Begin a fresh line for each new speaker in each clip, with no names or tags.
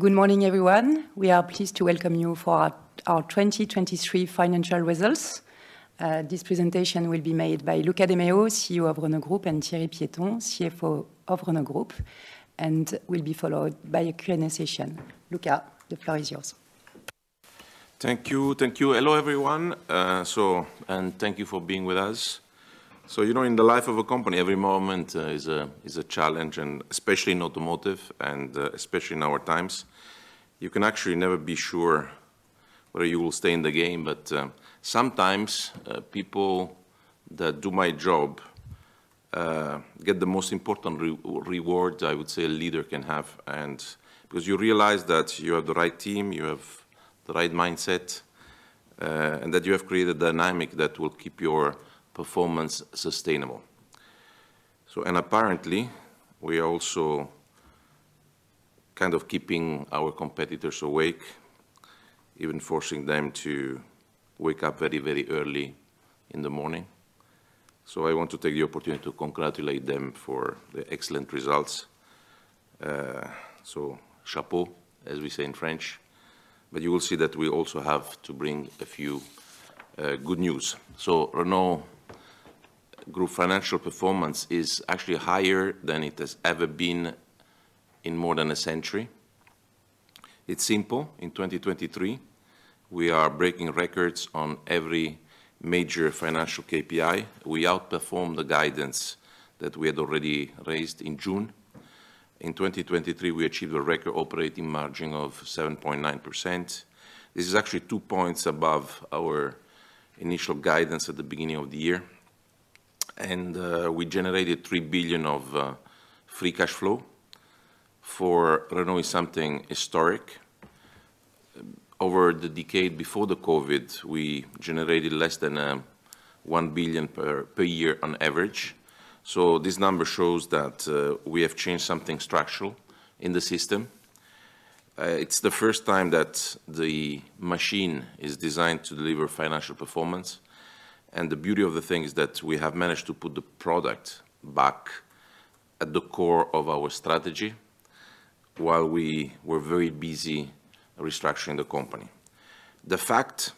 Good morning, everyone. We are pleased to welcome you for our 2023 financial results. This presentation will be made by Luca de Meo, CEO of Renault Group, and Thierry Piéton, CFO of Renault Group, and will be followed by a Q&A session. Luca, the floor is yours.
Thank you. Hello everyone, and thank you for being with us. So, you know, in the life of a company, every moment is a challenge, and especially in automotive, and especially in our times. You can actually never be sure whether you will stay in the game, but sometimes people that do my job get the most important reward I would say a leader can have, because you realize that you have the right team, you have the right mindset, and that you have created dynamic that will keep your performance sustainable. And apparently we are also kind of keeping our competitors awake, even forcing them to wake up very, very early in the morning. So I want to take the opportunity to congratulate them for the excellent results. So chapeau, as we say in French. You will see that we also have to bring a few good news. Renault Group financial performance is actually higher than it has ever been in more than a century. It's simple. In 2023, we are breaking records on every major financial KPI. We outperformed the guidance that we had already raised in June. In 2023, we achieved a record operating margin of 7.9%. This is actually two points above our initial guidance at the beginning of the year. We generated 3 billion of free cash flow. For Renault, it's something historic. Over the decade before the COVID, we generated less than 1 billion per year on average. This number shows that we have changed something structural in the system. It's the first time that the machine is designed to deliver financial performance. The beauty of the thing is that we have managed to put the product back at the core of our strategy while we were very busy restructuring the company. The fact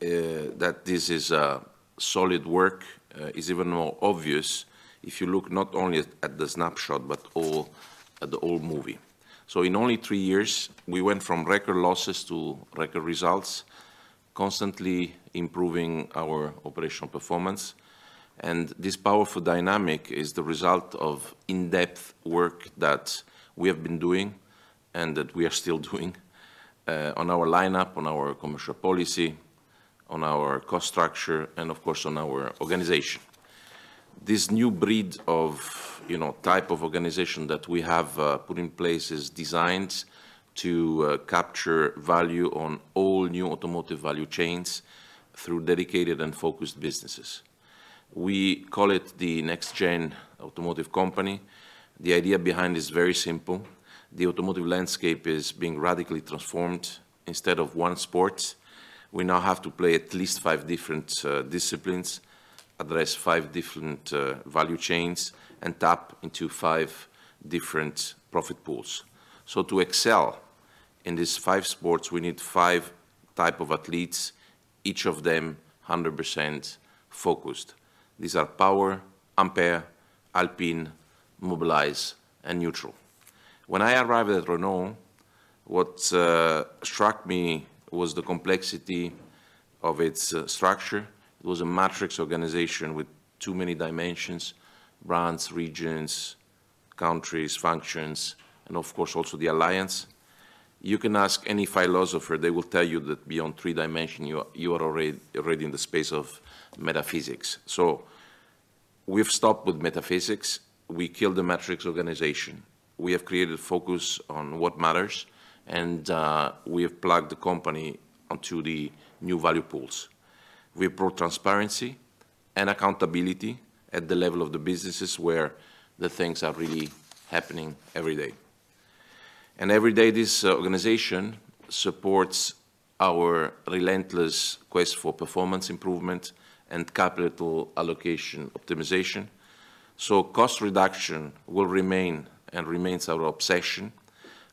that this is solid work is even more obvious if you look not only at the snapshot but at the whole movie. In only three years, we went from record losses to record results, constantly improving our operational performance. This powerful dynamic is the result of in-depth work that we have been doing and that we are still doing on our lineup, on our commercial policy, on our cost structure, and of course on our organization. This new breed of, you know, type of organization that we have put in place is designed to capture value on all new automotive value chains through dedicated and focused businesses. We call it the next-gen automotive company. The idea behind is very simple. The automotive landscape is being radically transformed. Instead of one sport, we now have to play at least five different disciplines, address five different value chains, and tap into five different profit pools. So to excel in these five sports, we need five types of athletes, each of them 100% focused. These are Horse, Ampere, Alpine, Mobilize, and Neutral. When I arrived at Renault, what struck me was the complexity of its structure. It was a matrix organization with too many dimensions: brands, regions, countries, functions, and of course also the alliance. You can ask any philosopher, they will tell you that beyond three dimensions, you are already in the space of metaphysics. So we've stopped with metaphysics. We killed the matrix organization. We have created focus on what matters, and we have plugged the company onto the new value pools. We have brought transparency and accountability at the level of the businesses where the things are really happening every day. Every day, this organization supports our relentless quest for performance improvement and capital allocation optimization. Cost reduction will remain and remains our obsession.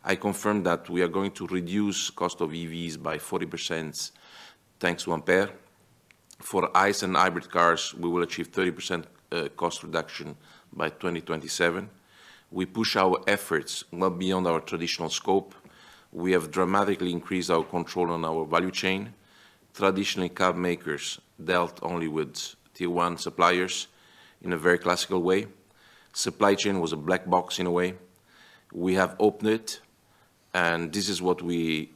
I confirm that we are going to reduce cost of EVs by 40% thanks to Ampere. For ICE and hybrid cars, we will achieve 30% cost reduction by 2027. We push our efforts well beyond our traditional scope. We have dramatically increased our control on our value chain. Traditionally, car makers dealt only with Tier 1 suppliers in a very classical way. Supply chain was a black box in a way. We have opened it, and this is what we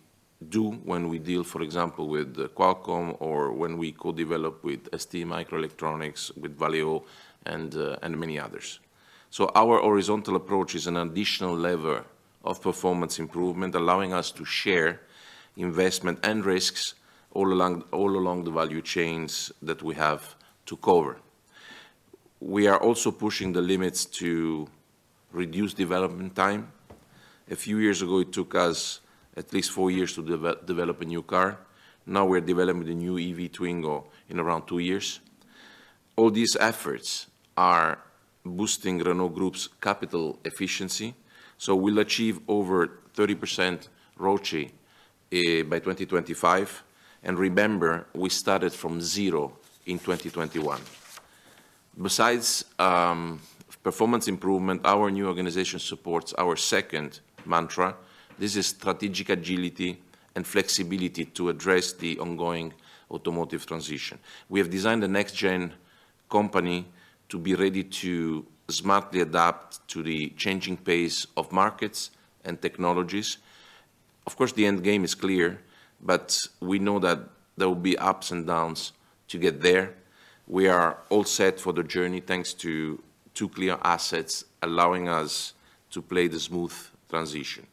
do when we deal, for example, with Qualcomm or when we co-develop with STMicroelectronics, with Valeo, and many others. So our horizontal approach is an additional lever of performance improvement, allowing us to share investment and risks all along the value chains that we have to cover. We are also pushing the limits to reduce development time. A few years ago, it took us at least four years to develop a new car. Now we're developing the new EV Twingo in around two years. All these efforts are boosting Renault Group's capital efficiency. So we'll achieve over 30% ROCE by 2025, and remember, we started from zero in 2021. Besides performance improvement, our new organization supports our second mantra. This is strategic agility and flexibility to address the ongoing automotive transition. We have designed the next-gen company to be ready to smartly adapt to the changing pace of markets and technologies. Of course, the end game is clear, but we know that there will be ups and downs to get there. We are all set for the journey thanks to two clear assets allowing us to play the smooth transition.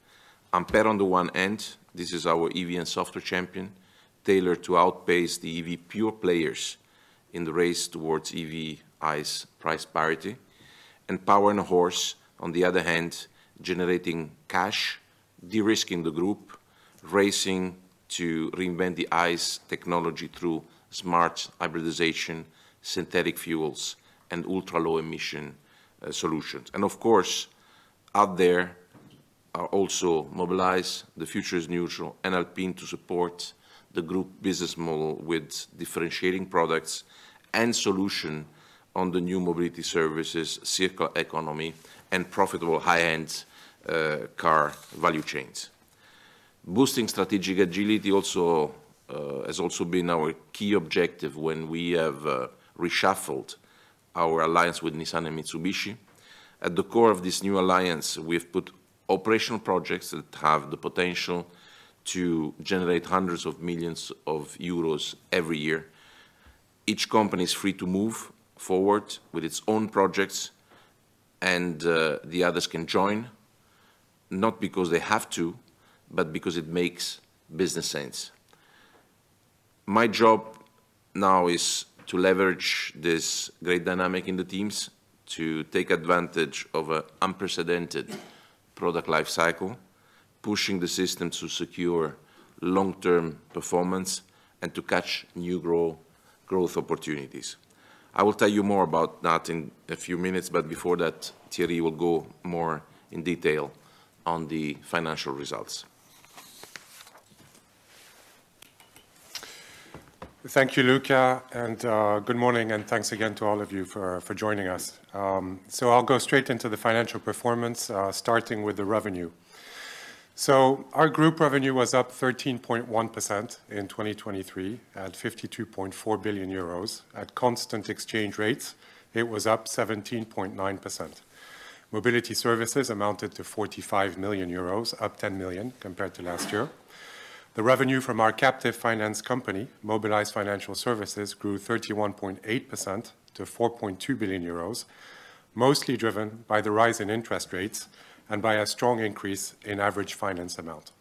Ampere on the one end, this is our EV and software champion, tailored to outpace the EV pure players in the race towards EV/ICE price parity. And Horse Powertrain, on the other hand, generating cash, de-risking the group, racing to reinvent the ICE technology through smart hybridization, synthetic fuels, and ultra-low emission solutions. And of course, out there are also Mobilize, The Future Is NEUTRAL, and Alpine to support the group business model with differentiating products and solutions on the new mobility services, circular economy, and profitable high-end car value chains. Boosting strategic agility has also been our key objective when we have reshuffled our alliance with Nissan and Mitsubishi. At the core of this new alliance, we have put operational projects that have the potential to generate hundreds of millions EUR every year. Each company is free to move forward with its own projects, and the others can join, not because they have to, but because it makes business sense. My job now is to leverage this great dynamic in the teams, to take advantage of an unprecedented product lifecycle, pushing the system to secure long-term performance and to catch new growth opportunities. I will tell you more about that in a few minutes, but before that, Thierry will go more in detail on the financial results.
Thank you, Luca, and good morning, and thanks again to all of you for joining us. So I'll go straight into the financial performance, starting with the revenue. So our group revenue was up 13.1% in 2023 at 52.4 billion euros. At constant exchange rates, it was up 17.9%. Mobility services amounted to 45 million euros, up 10 million compared to last year. The revenue from our captive finance company, Mobilize Financial Services, grew 31.8% to 4.2 billion euros, mostly driven by the rise in interest rates and by a strong increase in average finance amount.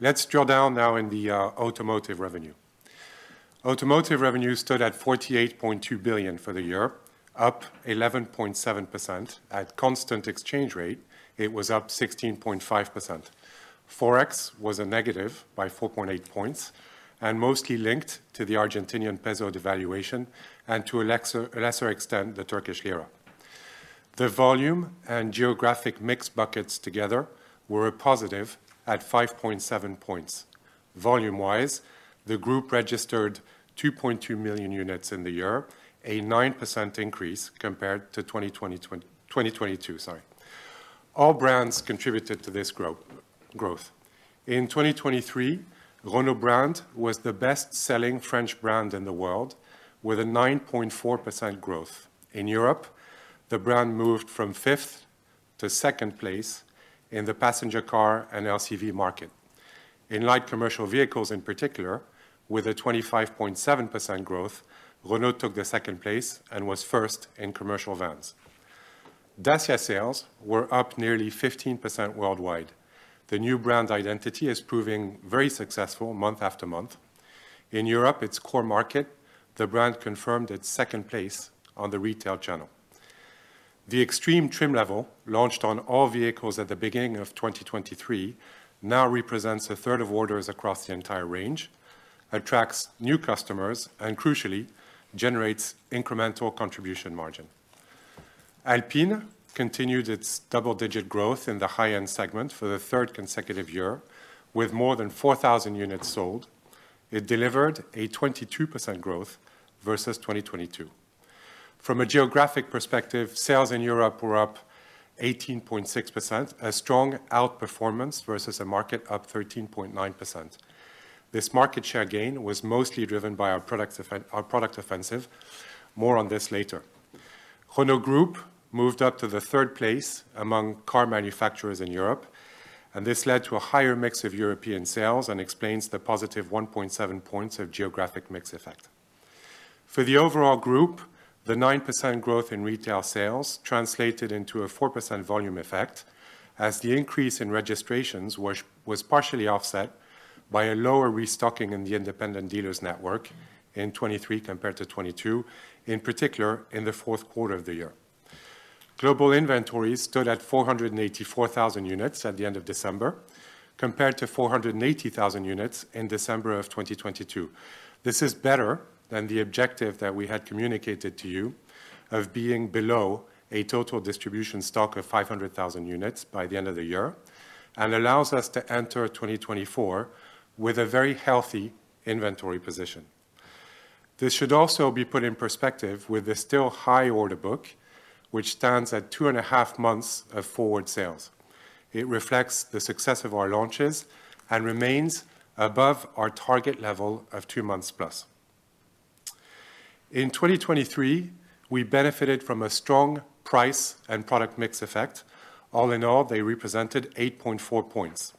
Let's drill down now in the automotive revenue. Automotive revenue stood at 48.2 billion for the year, up 11.7%. At constant exchange rate, it was up 16.5%. Forex was a negative by 4.8 points, and mostly linked to the Argentinian peso devaluation and to a lesser extent the Turkish lira. The volume and geographic mixed buckets together were a positive at 5.7 points. Volume-wise, the group registered 2.2 million units in the year, a 9% increase compared to 2022. Sorry. All brands contributed to this growth. In 2023, Renault brand was the best-selling French brand in the world with a 9.4% growth. In Europe, the brand moved from fifth to second place in the passenger car and LCV market. In light commercial vehicles in particular, with a 25.7% growth, Renault took the second place and was first in commercial vans. Dacia sales were up nearly 15% worldwide. The new brand identity is proving very successful month after month. In Europe, its core market, the brand confirmed its second place on the retail channel. The extreme trim level launched on all vehicles at the beginning of 2023 now represents a third of orders across the entire range, attracts new customers, and crucially, generates incremental contribution margin. Alpine continued its double-digit growth in the high-end segment for the third consecutive year with more than 4,000 units sold. It delivered a 22% growth versus 2022. From a geographic perspective, sales in Europe were up 18.6%, a strong outperformance versus a market up 13.9%. This market share gain was mostly driven by our product offensive. More on this later. Renault Group moved up to the third place among car manufacturers in Europe, and this led to a higher mix of European sales and explains the positive 1.7 points of geographic mix effect. For the overall group, the 9% growth in retail sales translated into a 4% volume effect, as the increase in registrations was partially offset by a lower restocking in the independent dealers network in 2023 compared to 2022, in particular in the Q4 of the year. Global inventories stood at 484,000 units at the end of December compared to 480,000 units in December of 2022. This is better than the objective that we had communicated to you of being below a total distribution stock of 500,000 units by the end of the year, and allows us to enter 2024 with a very healthy inventory position. This should also be put in perspective with the still high order book, which stands at 2.5 months of forward sales. It reflects the success of our launches and remains above our target level of 2+ months. In 2023, we benefited from a strong price and product mix effect. All in all, they represented 8.4 points.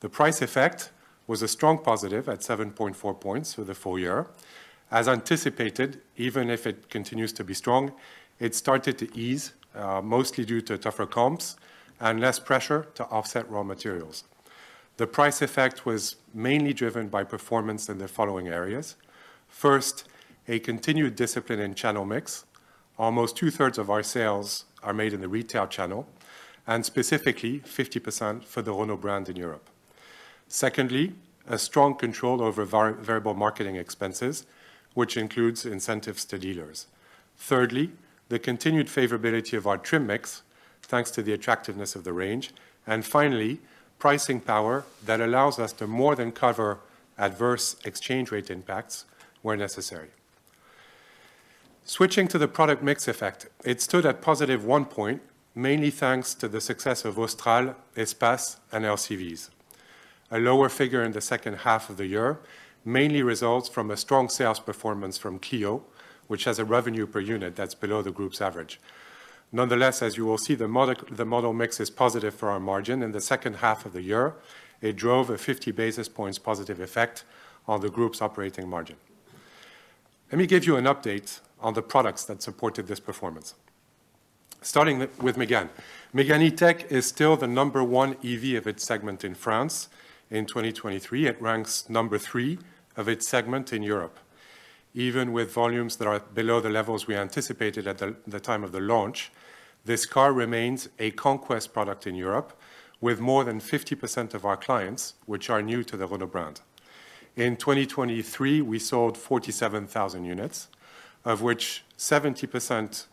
The price effect was a strong positive at 7.4 points for the full year. As anticipated, even if it continues to be strong, it started to ease, mostly due to tougher comps and less pressure to offset raw materials. The price effect was mainly driven by performance in the following areas. First, a continued discipline in channel mix. Almost two-thirds of our sales are made in the retail channel, and specifically 50% for the Renault brand in Europe. Secondly, a strong control over variable marketing expenses, which includes incentives to dealers. Thirdly, the continued favorability of our trim mix thanks to the attractiveness of the range. And finally, pricing power that allows us to more than cover adverse exchange rate impacts where necessary. Switching to the product mix effect, it stood at positive 1 point, mainly thanks to the success of Austral, Espace, and LCVs. A lower figure in the H2 of the year mainly results from a strong sales performance from Clio, which has a revenue per unit that's below the group's average. Nonetheless, as you will see, the model mix is positive for our margin. In the H2 of the year, it drove a 50 basis points positive effect on the group's operating margin. Let me give you an update on the products that supported this performance. Starting with Mégane. Mégane E-Tech is still the number one EV of its segment in France. In 2023, it ranks number three of its segment in Europe. Even with volumes that are below the levels we anticipated at the time of the launch, this car remains a conquest product in Europe with more than 50% of our clients, which are new to the Renault brand. In 2023, we sold 47,000 units, of which 70%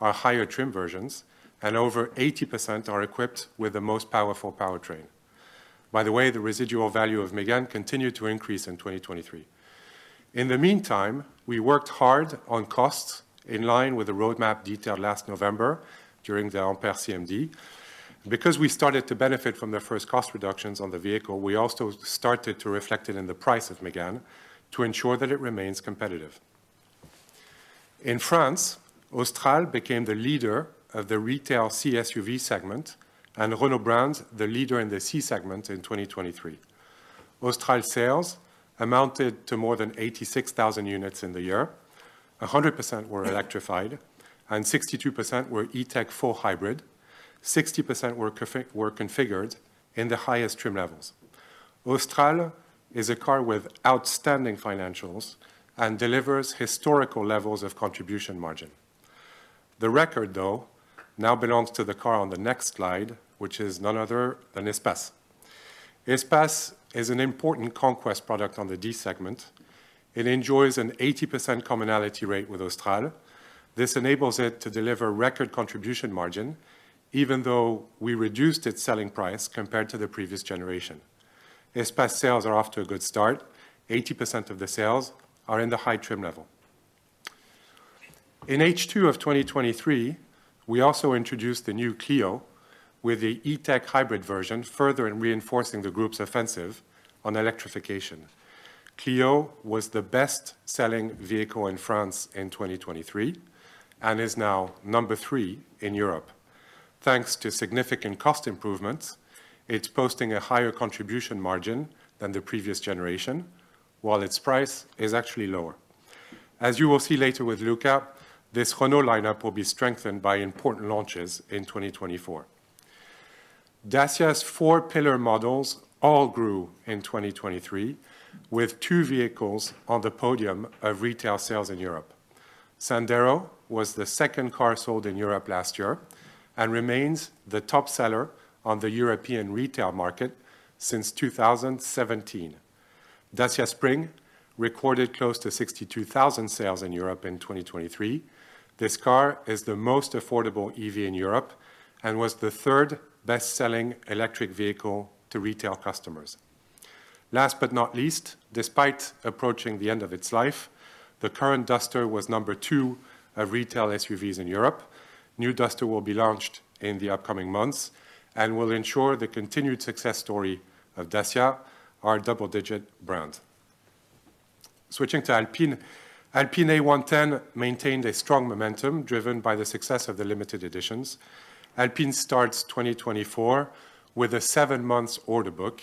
are higher trim versions, and over 80% are equipped with the most powerful powertrain. By the way, the residual value of Mégane continued to increase in 2023. In the meantime, we worked hard on costs in line with the roadmap detailed last November during the Ampere CMD. Because we started to benefit from the first cost reductions on the vehicle, we also started to reflect it in the price of Mégane to ensure that it remains competitive. In France, Austral became the leader of the retail C-SUV segment and Renault brand the leader in the C segment in 2023. Austral sales amounted to more than 86,000 units in the year. 100% were electrified, and 62% were E-Tech full hybrid. 60% were configured in the highest trim levels. Austral is a car with outstanding financials and delivers historical levels of contribution margin. The record, though, now belongs to the car on the next slide, which is none other than Espace. Espace is an important conquest product on the D-segment. It enjoys an 80% commonality rate with Austral. This enables it to deliver record contribution margin, even though we reduced its selling price compared to the previous generation. Espace sales are off to a good start. 80% of the sales are in the high trim level. In H2 of 2023, we also introduced the new Clio with the E-Tech hybrid version, further reinforcing the group's offensive on electrification. Clio was the best-selling vehicle in France in 2023 and is now number three in Europe. Thanks to significant cost improvements, it's posting a higher contribution margin than the previous generation, while its price is actually lower. As you will see later with Luca, this Renault lineup will be strengthened by important launches in 2024. Dacia's four pillar models all grew in 2023, with two vehicles on the podium of retail sales in Europe. Sandero was the second car sold in Europe last year and remains the top seller on the European retail market since 2017. Dacia Spring recorded close to 62,000 sales in Europe in 2023. This car is the most affordable EV in Europe and was the third best-selling electric vehicle to retail customers. Last but not least, despite approaching the end of its life, the current Duster was number two of retail SUVs in Europe. New Duster will be launched in the upcoming months and will ensure the continued success story of Dacia, our double-digit brand. Switching to Alpine, Alpine A110 maintained a strong momentum driven by the success of the limited editions. Alpine starts 2024 with a seven-month order book,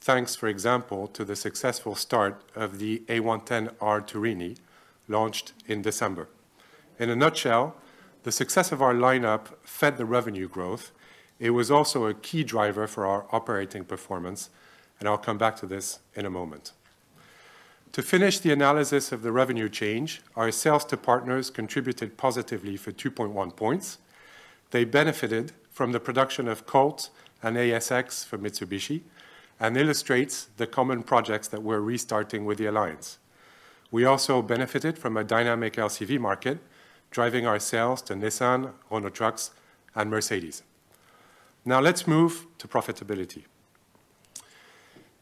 thanks, for example, to the successful start of the A110 R Turini, launched in December. In a nutshell, the success of our lineup fed the revenue growth. It was also a key driver for our operating performance, and I'll come back to this in a moment. To finish the analysis of the revenue change, our sales to partners contributed positively for 2.1 points. They benefited from the production of Colt and ASX for Mitsubishi and illustrate the common projects that we're restarting with the alliance. We also benefited from a dynamic LCV market, driving our sales to Nissan, Renault Trucks, and Mercedes. Now let's move to profitability.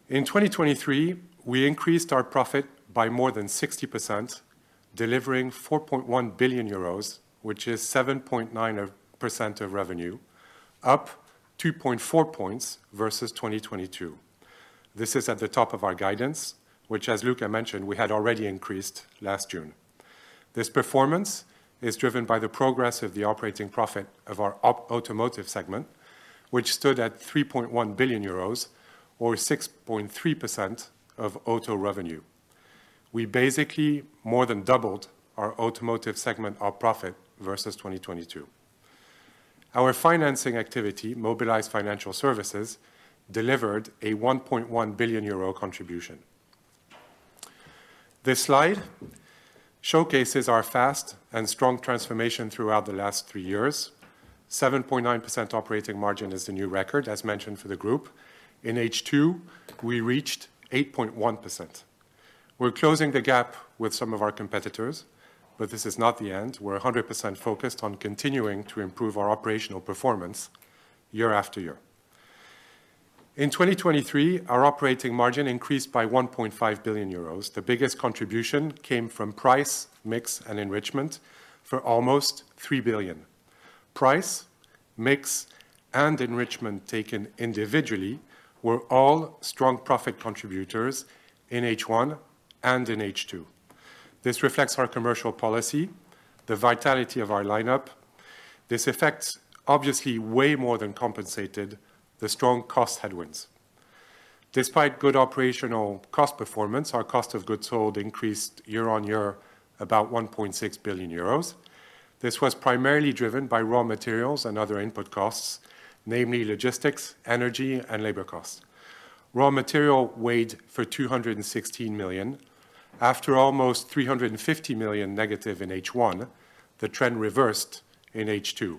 In 2023, we increased our profit by more than 60%, delivering 4.1 billion euros, which is 7.9% of revenue, up 2.4 points versus 2022. This is at the top of our guidance, which, as Luca mentioned, we had already increased last June. This performance is driven by the progress of the operating profit of our automotive segment, which stood at 3.1 billion euros, or 6.3% of auto revenue. We basically more than doubled our automotive segment profit versus 2022. Our financing activity, Mobilize Financial Services, delivered a 1.1 billion euro contribution. This slide showcases our fast and strong transformation throughout the last three years. 7.9% operating margin is the new record, as mentioned for the group. In H2, we reached 8.1%. We're closing the gap with some of our competitors, but this is not the end. We're 100% focused on continuing to improve our operational performance year after year. In 2023, our operating margin increased by 1.5 billion euros. The biggest contribution came from price, mix, and enrichment for almost 3 billion. Price, mix, and enrichment taken individually were all strong profit contributors in H1 and in H2. This reflects our commercial policy, the vitality of our lineup. This affects obviously way more than compensated the strong cost headwinds. Despite good operational cost performance, our cost of goods sold increased year-over-year about 1.6 billion euros. This was primarily driven by raw materials and other input costs, namely logistics, energy, and labor costs. Raw material weighed for 216 million. After almost 350 million negative in H1, the trend reversed in H2.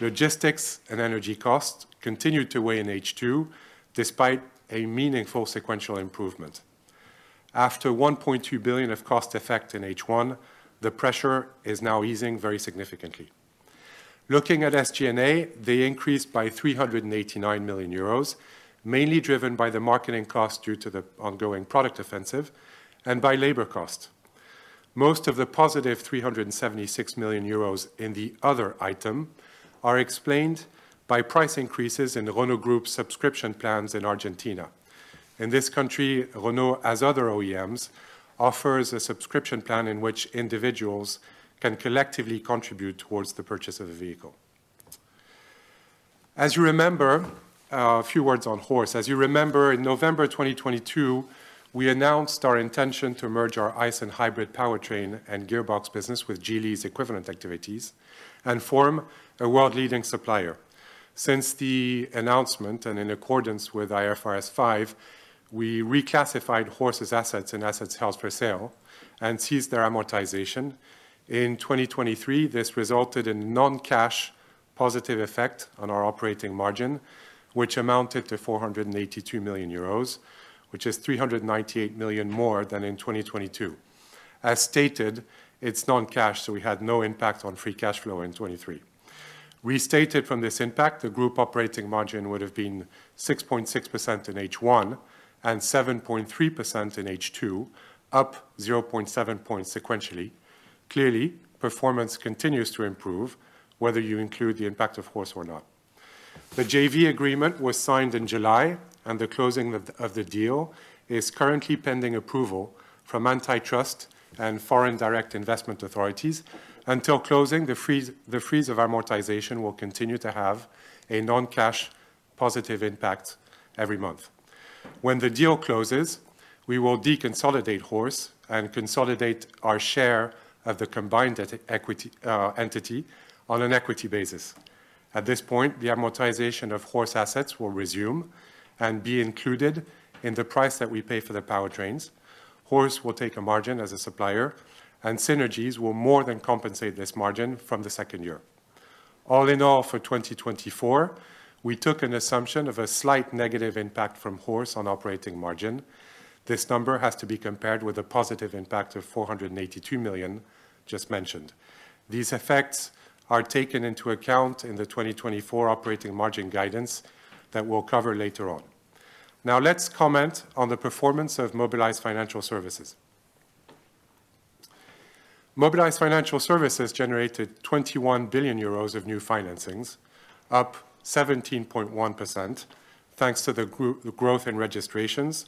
Logistics and energy costs continued to weigh in H2 despite a meaningful sequential improvement. After 1.2 billion of cost effect in H1, the pressure is now easing very significantly. Looking at SG&A, they increased by 389 million euros, mainly driven by the marketing cost due to the ongoing product offensive and by labor cost. Most of the positive 376 million euros in the other item are explained by price increases in Renault Group's subscription plans in Argentina. In this country, Renault, as other OEMs, offers a subscription plan in which individuals can collectively contribute towards the purchase of a vehicle. As you remember a few words on Horse. As you remember, in November 2022, we announced our intention to merge our ICE and hybrid powertrain and gearbox business with Geely's equivalent activities and form a world-leading supplier. Since the announcement and in accordance with IFRS 5, we reclassified Horse's assets and assets held for sale and ceased their amortization. In 2023, this resulted in non-cash positive effect on our operating margin, which amounted to 482 million euros, which is 398 million more than in 2022. As stated, it's non-cash, so we had no impact on free cash flow in 2023. Restated from this impact, the group operating margin would have been 6.6% in H1 and 7.3% in H2, up 0.7 points sequentially. Clearly, performance continues to improve, whether you include the impact of Horse or not. The JV agreement was signed in July, and the closing of the deal is currently pending approval from antitrust and foreign direct investment authorities. Until closing, the freeze of amortization will continue to have a non-cash positive impact every month. When the deal closes, we will deconsolidate Horse and consolidate our share of the combined equity entity on an equity basis. At this point, the amortization of Horse assets will resume and be included in the price that we pay for the powertrains. Horse will take a margin as a supplier, and synergies will more than compensate this margin from the second year. All in all, for 2024, we took an assumption of a slight negative impact from Horse on operating margin. This number has to be compared with the positive impact of 482 million just mentioned. These effects are taken into account in the 2024 operating margin guidance that we'll cover later on. Now let's comment on the performance of Mobilize Financial Services. Mobilize Financial Services generated 21 billion euros of new financings, up 17.1% thanks to the growth in registrations,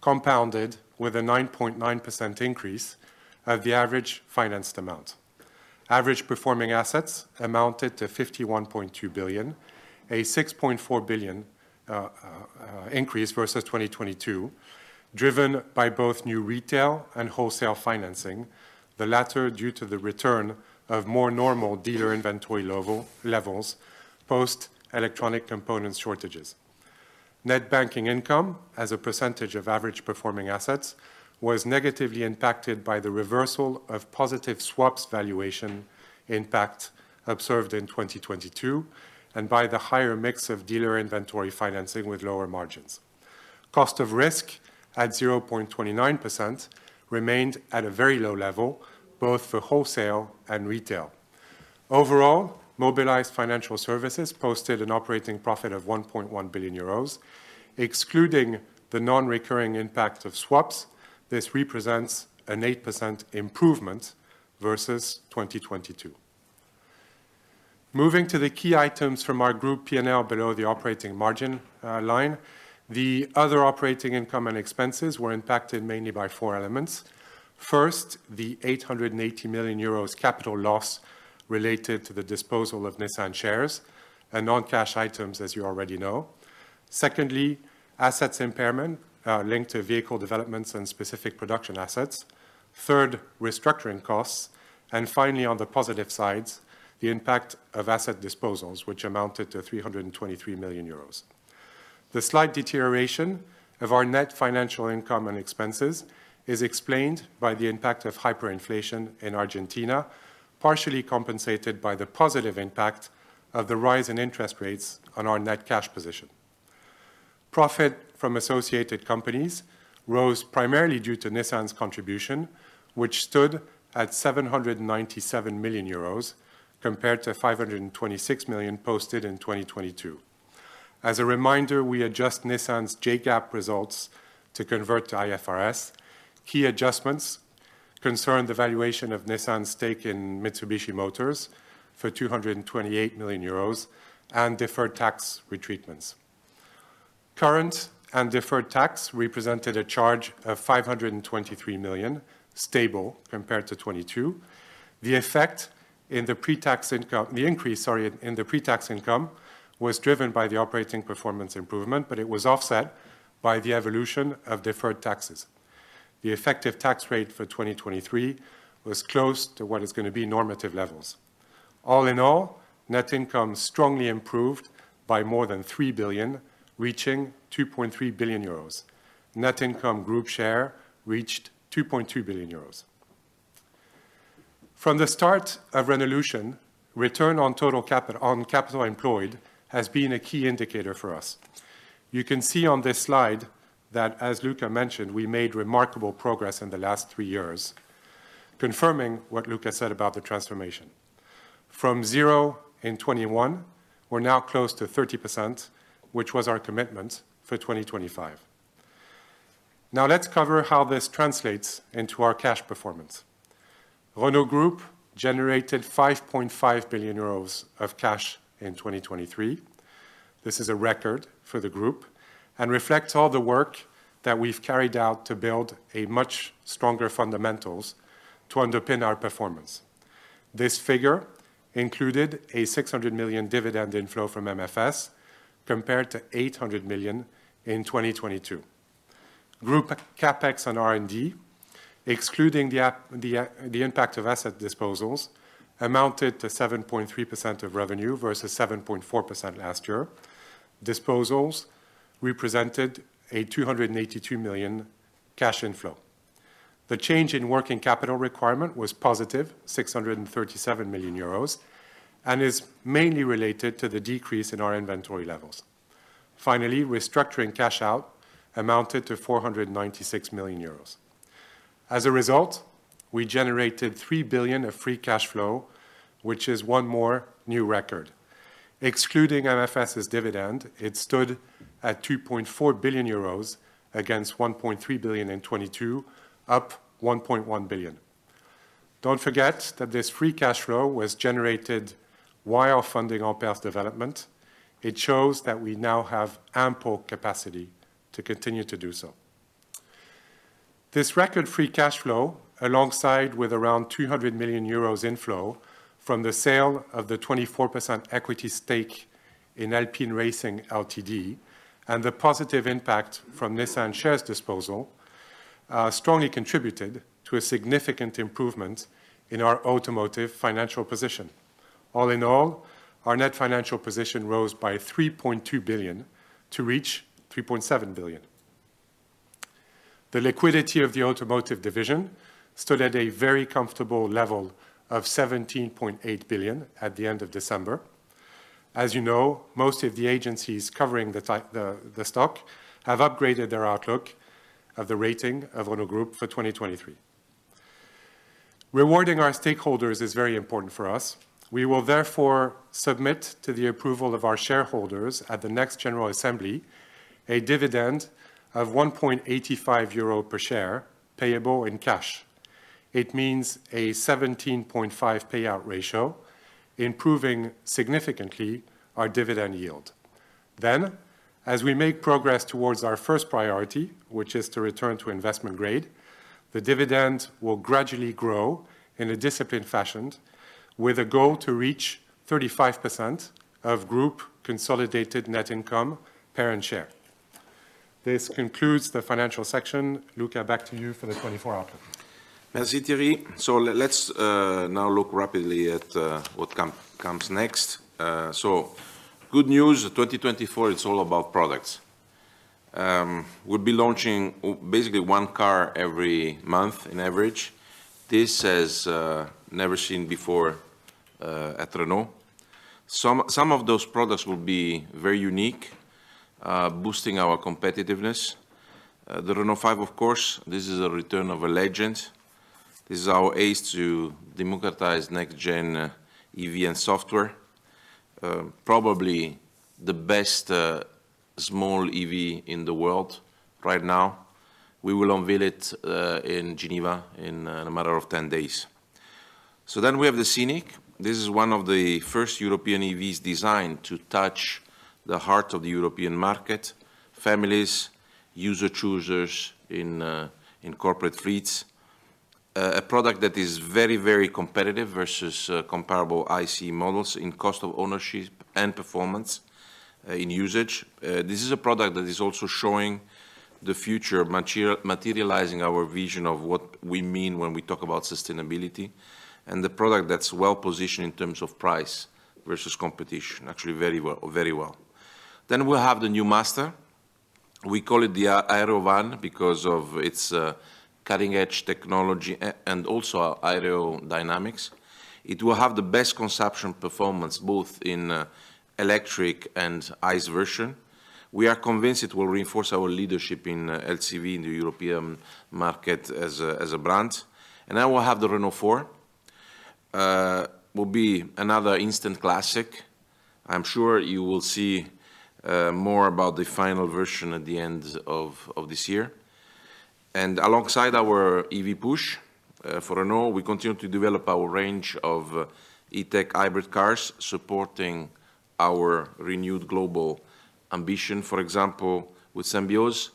compounded with a 9.9% increase of the average financed amount. Average performing assets amounted to 51.2 billion, a 6.4 billion increase versus 2022, driven by both new retail and wholesale financing, the latter due to the return of more normal dealer inventory levels post-electronic component shortages. Net banking income, as a percentage of average performing assets, was negatively impacted by the reversal of positive swaps valuation impact observed in 2022 and by the higher mix of dealer inventory financing with lower margins. Cost of risk at 0.29% remained at a very low level, both for wholesale and retail. Overall, Mobilize Financial Services posted an operating profit of 1.1 billion euros. Excluding the non-recurring impact of swaps, this represents an 8% improvement versus 2022. Moving to the key items from our group P&L below the operating margin line, the other operating income and expenses were impacted mainly by four elements. First, the 880 million euros capital loss related to the disposal of Nissan shares and non-cash items, as you already know. Secondly, assets impairment linked to vehicle developments and specific production assets. Third, restructuring costs. And finally, on the positive sides, the impact of asset disposals, which amounted to 323 million euros. The slight deterioration of our net financial income and expenses is explained by the impact of hyperinflation in Argentina, partially compensated by the positive impact of the rise in interest rates on our net cash position. Profit from associated companies rose primarily due to Nissan's contribution, which stood at 797 million euros compared to 526 million posted in 2022. As a reminder, we adjust Nissan's JGAAP results to convert to IFRS. Key adjustments concern the valuation of Nissan's stake in Mitsubishi Motors for 228 million euros and deferred tax remeasurements. Current and deferred tax represented a charge of 523 million, stable compared to 2022. The effect in the pre-tax income the increase, sorry, in the pre-tax income was driven by the operating performance improvement, but it was offset by the evolution of deferred taxes. The effective tax rate for 2023 was close to what is going to be normative levels. All in all, net income strongly improved by more than 3 billion, reaching 2.3 billion euros. Net income group share reached 2.2 billion euros. From the start of Renaulution, return on total capital employed has been a key indicator for us. You can see on this slide that, as Luca mentioned, we made remarkable progress in the last three years, confirming what Luca said about the transformation. From 0 in 2021, we're now close to 30%, which was our commitment for 2025. Now let's cover how this translates into our cash performance. Renault Group generated 5.5 billion euros of cash in 2023. This is a record for the group and reflects all the work that we've carried out to build a much stronger fundamentals to underpin our performance. This figure included a 600 million dividend inflow from MFS compared to 800 million in 2022. Group CapEx on R&D, excluding the impact of asset disposals, amounted to 7.3% of revenue versus 7.4% last year. Disposals represented a 282 million cash inflow. The change in working capital requirement was positive, 637 million euros, and is mainly related to the decrease in our inventory levels. Finally, restructuring cash out amounted to 496 million euros. As a result, we generated 3 billion of free cash flow, which is one more new record. Excluding MFS's dividend, it stood at 2.4 billion euros against 1.3 billion in 2022, up 1.1 billion. Don't forget that this free cash flow was generated while funding Ampere development. It shows that we now have ample capacity to continue to do so. This record free cash flow, alongside with around 200 million euros inflow from the sale of the 24% equity stake in Alpine Racing Ltd. and the positive impact from Nissan shares disposal, strongly contributed to a significant improvement in our automotive financial position. All in all, our net financial position rose by 3.2 billion to reach 3.7 billion. The liquidity of the automotive division stood at a very comfortable level of 17.8 billion at the end of December. As you know, most of the agencies covering the stock have upgraded their outlook of the rating of Renault Group for 2023. Rewarding our stakeholders is very important for us. We will therefore submit to the approval of our shareholders at the next general assembly a dividend of 1.85 euro per share, payable in cash. It means a 17.5% payout ratio, improving significantly our dividend yield. Then, as we make progress towards our first priority, which is to return to investment grade, the dividend will gradually grow in a disciplined fashion with a goal to reach 35% of group consolidated net income per share. This concludes the financial section. Luca, back to you for the 2024 outlook.
Merci, Thierry. So let's now look rapidly at what comes next. So good news, 2024, it's all about products. We'll be launching basically one car every month, on average. This is never seen before at Renault. Some of those products will be very unique, boosting our competitiveness. The Renault 5, of course, this is a return of a legend. This is our ace to democratize next-gen EV and software, probably the best small EV in the world right now. We will unveil it in Geneva in a matter of 10 days. So then we have the Scénic. This is one of the first European EVs designed to touch the heart of the European market, families, user choosers in corporate fleets. A product that is very, very competitive versus comparable ICE models in cost of ownership and performance in usage. This is a product that is also showing the future, materializing our vision of what we mean when we talk about sustainability. And the product that's well positioned in terms of price versus competition, actually very well, very well. Then we'll have the new Master. We call it the Aerovan because of its cutting-edge technology and also aerodynamics. It will have the best consumption performance, both in electric and ICE version. We are convinced it will reinforce our leadership in LCV in the European market as a brand. Then we'll have the Renault 4. It will be another instant classic. I'm sure you will see more about the final version at the end of this year. Alongside our EV push for Renault, we continue to develop our range of E-Tech hybrid cars supporting our renewed global ambition. For example, with Symbioz.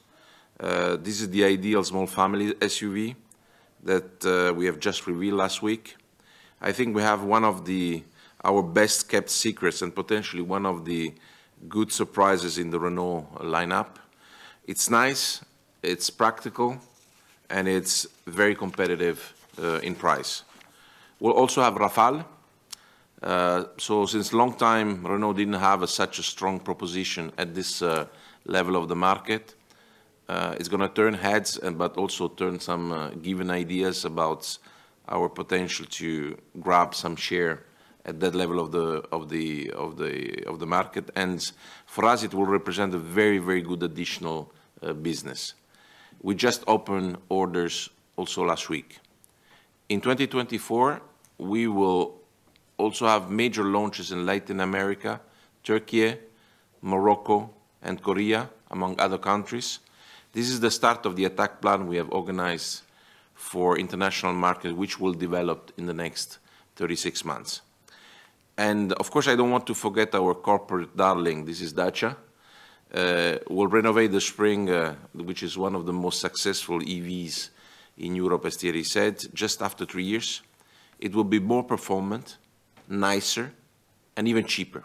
This is the ideal small family SUV that we have just revealed last week. I think we have one of our best-kept secrets and potentially one of the good surprises in the Renault lineup. It's nice, it's practical, and it's very competitive in price. We'll also have Rafale. So since a long time, Renault didn't have such a strong proposition at this level of the market. It's going to turn heads but also turn some given ideas about our potential to grab some share at that level of the market. For us, it will represent a very, very good additional business. We just opened orders also last week. In 2024, we will also have major launches in Latin America, Türkiye, Morocco, and Korea, among other countries. This is the start of the attack plan we have organized for international markets, which will develop in the next 36 months. Of course, I don't want to forget our corporate darling. This is Dacia. We'll renovate the Spring, which is one of the most successful EVs in Europe, as Thierry said, just after three years. It will be more performant, nicer, and even cheaper.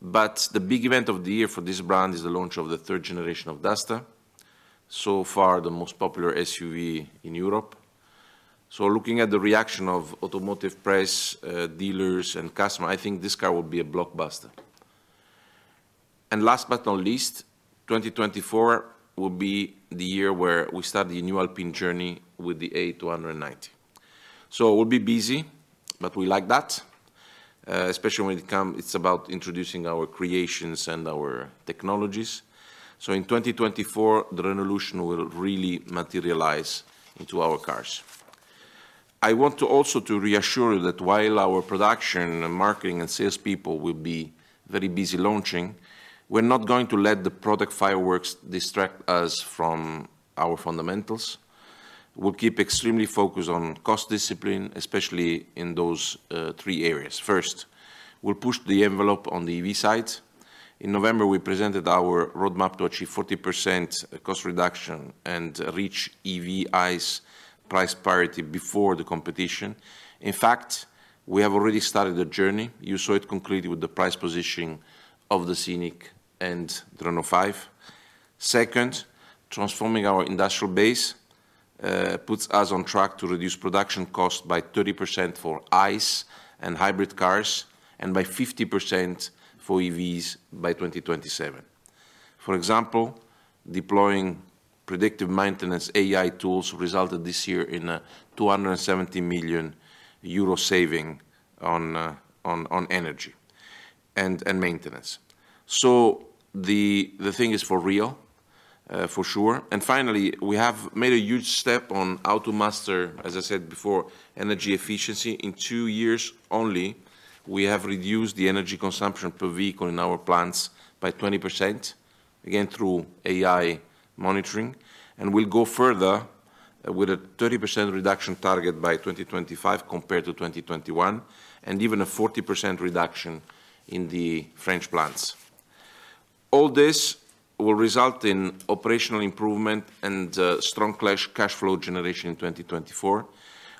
But the big event of the year for this brand is the launch of the third generation of Duster, so far the most popular SUV in Europe. So looking at the reaction of automotive press dealers and customers, I think this car will be a blockbuster. And last but not least, 2024 will be the year where we start the new Alpine journey with the A290. So it will be busy, but we like that, especially when it comes it's about introducing our creations and our technologies. So in 2024, the Renaulution will really materialize into our cars. I want also to reassure you that while our production, marketing, and salespeople will be very busy launching, we're not going to let the product fireworks distract us from our fundamentals. We'll keep extremely focused on cost discipline, especially in those three areas. First, we'll push the envelope on the EV side. In November, we presented our roadmap to achieve 40% cost reduction and reach EV/ICE price parity before the competition. In fact, we have already started the journey. You saw it concretely with the price positioning of the Scénic and the Renault 5. Second, transforming our industrial base puts us on track to reduce production costs by 30% for ICE and hybrid cars and by 50% for EVs by 2027. For example, deploying predictive maintenance AI tools resulted this year in a 270 million euro saving on energy and maintenance. So the thing is for real, for sure. And finally, we have made a huge step on how to master, as I said before, energy efficiency. In two years only, we have reduced the energy consumption per vehicle in our plants by 20%, again through AI monitoring. We'll go further with a 30% reduction target by 2025 compared to 2021 and even a 40% reduction in the French plants. All this will result in operational improvement and strong cash flow generation in 2024.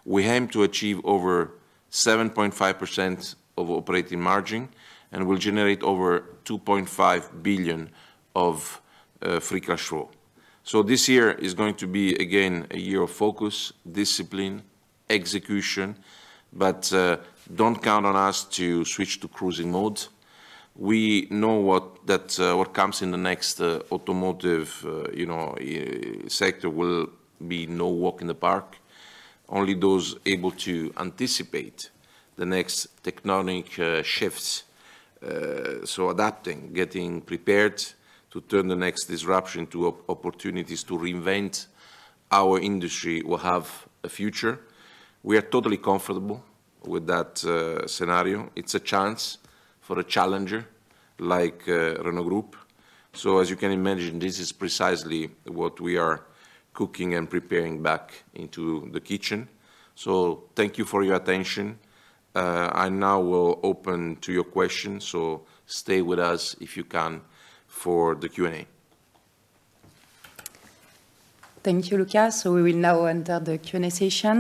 We aim to achieve over 7.5% of operating margin and will generate over 2.5 billion of free cash flow. So this year is going to be, again, a year of focus, discipline, execution. But don't count on us to switch to cruising mode. We know what comes in the next automotive, you know, sector will be no walk in the park. Only those able to anticipate the next technological shifts, so adapting, getting prepared to turn the next disruption into opportunities to reinvent our industry will have a future. We are totally comfortable with that scenario. It's a chance for a challenger like Renault Group. As you can imagine, this is precisely what we are cooking and preparing back into the kitchen. Thank you for your attention. I now will open to your questions. Stay with us, if you can, for the Q&A.
Thank you, Luca. We will now enter the Q&A session.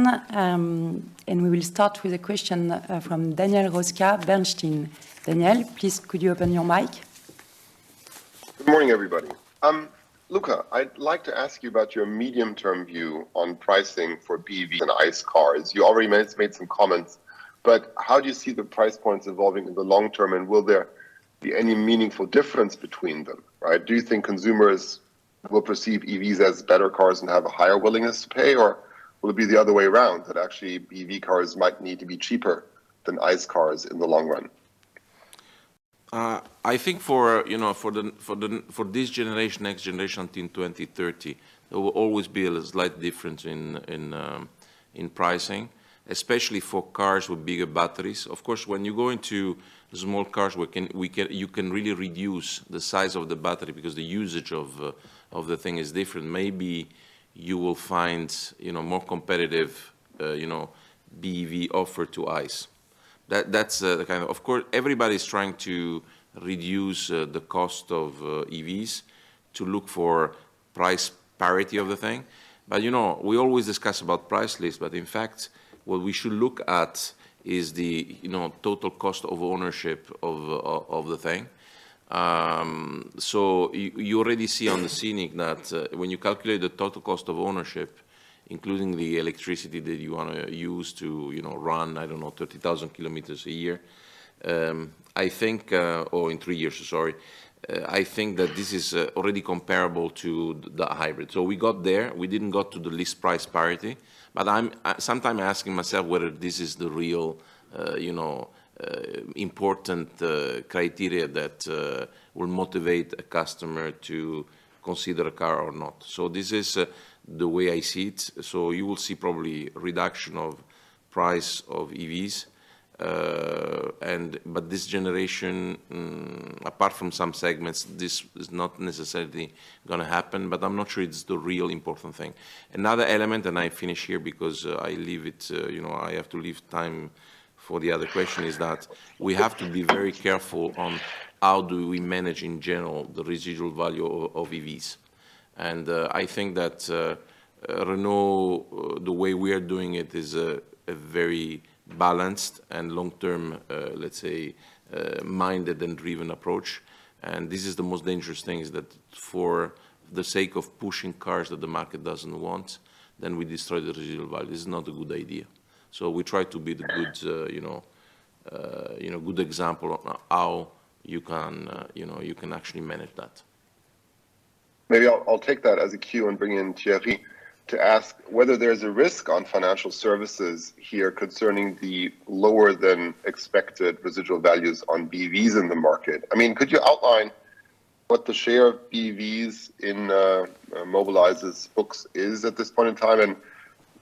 We will start with a question from Daniel Roeska, Bernstein. Daniel, please, could you open your mic?
Good morning, everybody. Luca, I'd like to ask you about your medium-term view on pricing for PEVs and ICE cars. You already made some comments. But how do you see the price points evolving in the long term, and will there be any meaningful difference between them, right? Do you think consumers will perceive EVs as better cars and have a higher willingness to pay, or will it be the other way around, that actually PEV cars might need to be cheaper than ICE cars in the long run?
I think for this generation, next generation, until 2030, there will always be a slight difference in pricing, especially for cars with bigger batteries. Of course, when you go into small cars, you can really reduce the size of the battery because the usage of the thing is different. Maybe you will find more competitive PEV offered to ICE. That's the kind of, of course, everybody is trying to reduce the cost of EVs to look for price parity of the thing. But we always discuss about price lists. But in fact, what we should look at is the total cost of ownership of the thing. So you already see on the Scénic that when you calculate the total cost of ownership, including the electricity that you want to use to run, I don't know, 30,000 kilometers a year, I think or in three years, sorry. I think that this is already comparable to the hybrid. So we got there. We didn't get to the list price parity. But sometimes I ask myself whether this is the real important criteria that will motivate a customer to consider a car or not. So this is the way I see it. So you will see probably reduction of price of EVs. But this generation, apart from some segments, this is not necessarily going to happen. But I'm not sure it's the real important thing. Another element, and I finish here because I leave it, I have to leave time for the other question, is that we have to be very careful on how do we manage, in general, the residual value of EVs. And I think that Renault, the way we are doing it, is a very balanced and long-term, let's say, minded and driven approach. This is the most dangerous thing, is that for the sake of pushing cars that the market doesn't want, then we destroy the residual value. This is not a good idea. We try to be the good example on how you can actually manage that.
Maybe I'll take that as a cue and bring in Thierry to ask whether there's a risk on financial services here concerning the lower-than-expected residual values on BEVs in the market. I mean, could you outline what the share of BEVs in Mobilize's books is at this point in time? And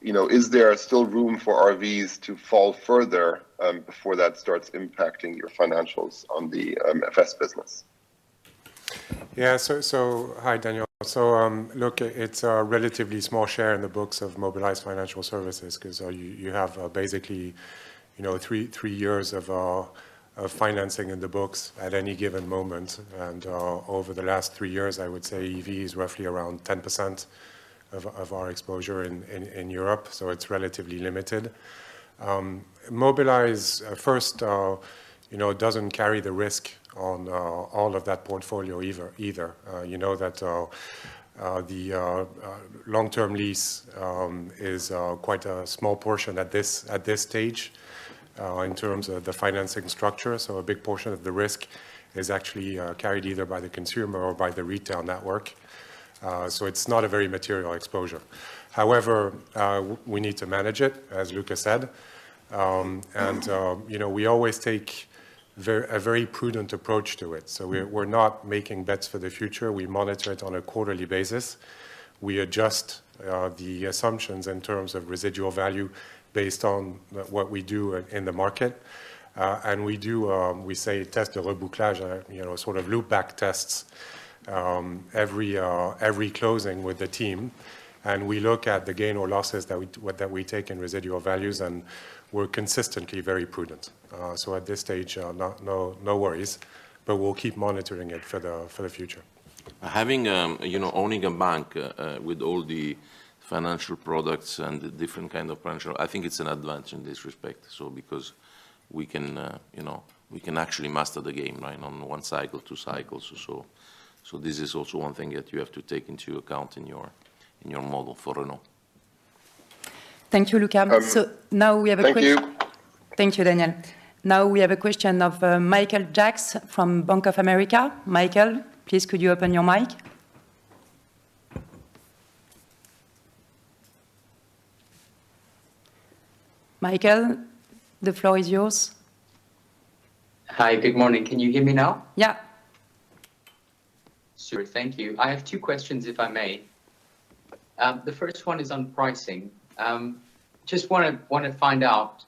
is there still room for RVs to fall further before that starts impacting your financials on the FS business?
Yeah. So hi, Daniel. So look, it's a relatively small share in the books of Mobilize Financial Services because you have basically three years of financing in the books at any given moment. And over the last three years, I would say EV is roughly around 10% of our exposure in Europe. So it's relatively limited. Mobilize, first, doesn't carry the risk on all of that portfolio either. You know that the long-term lease is quite a small portion at this stage in terms of the financing structure. So a big portion of the risk is actually carried either by the consumer or by the retail network. So it's not a very material exposure. However, we need to manage it, as Luca said. And we always take a very prudent approach to it. So we're not making bets for the future. We monitor it on a quarterly basis. We adjust the assumptions in terms of residual value based on what we do in the market. We do, we say, tests de rebouclage, sort of loopback tests, every closing with the team. We look at the gain or losses that we take in residual values. We're consistently very prudent. At this stage, no worries. We'll keep monitoring it for the future.
Having our own bank with all the financial products and the different kind of financial, I think it's an advantage in this respect, because we can actually master the game, right, on one cycle, two cycles. So this is also one thing that you have to take into account in your model for Renault.
Thank you, Luca. So now we have a quick.
Thank you.
Thank you, Daniel. Now we have a question of Michael Jacks from Bank of America. Michael, please, could you open your mic? Michael, the floor is yours.
Hi. Good morning. Can you hear me now?
Yeah.
Super. Thank you. I have two questions, if I may. The first one is on pricing. Just want to find out,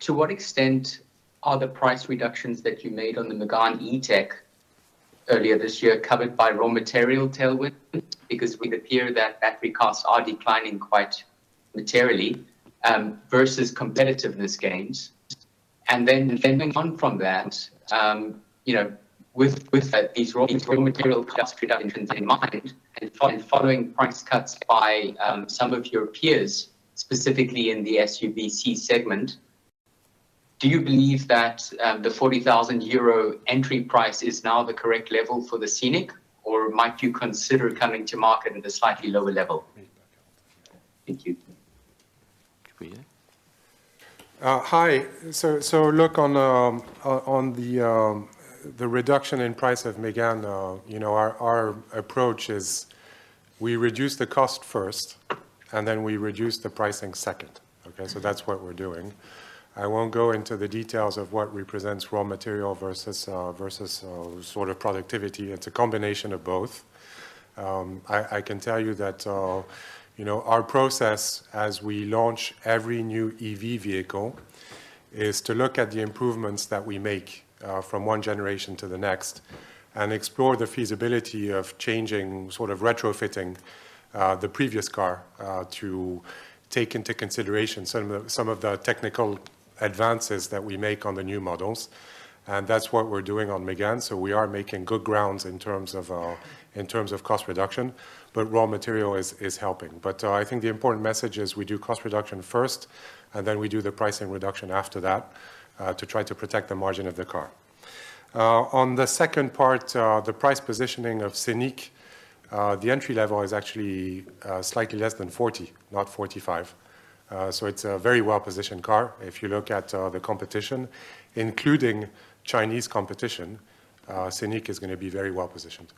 to what extent are the price reductions that you made on the Mégane E-Tech earlier this year covered by raw material tailwind? Because it appears that battery costs are declining quite materially versus competitiveness gains. And then going on from that, with these raw material cost reductions in mind and following price cuts by some of your peers, specifically in the SUV/C segment, do you believe that the 40,000 euro entry price is now the correct level for the Scénic, or might you consider coming to market at a slightly lower level? Thank you.
Hi. So look, on the reduction in price of Mégane, our approach is we reduce the cost first, and then we reduce the pricing second, OK? So that's what we're doing. I won't go into the details of what represents raw material versus sort of productivity. It's a combination of both. I can tell you that our process, as we launch every new EV vehicle, is to look at the improvements that we make from one generation to the next and explore the feasibility of changing, sort of retrofitting the previous car to take into consideration some of the technical advances that we make on the new models. And that's what we're doing on Mégane. So we are making good grounds in terms of cost reduction. But raw material is helping. I think the important message is we do cost reduction first, and then we do the pricing reduction after that to try to protect the margin of the car. On the second part, the price positioning of Scénic, the entry level is actually slightly less than 40, not 45. It's a very well-positioned car, if you look at the competition, including Chinese competition. Scénic is going to be very well-positioned.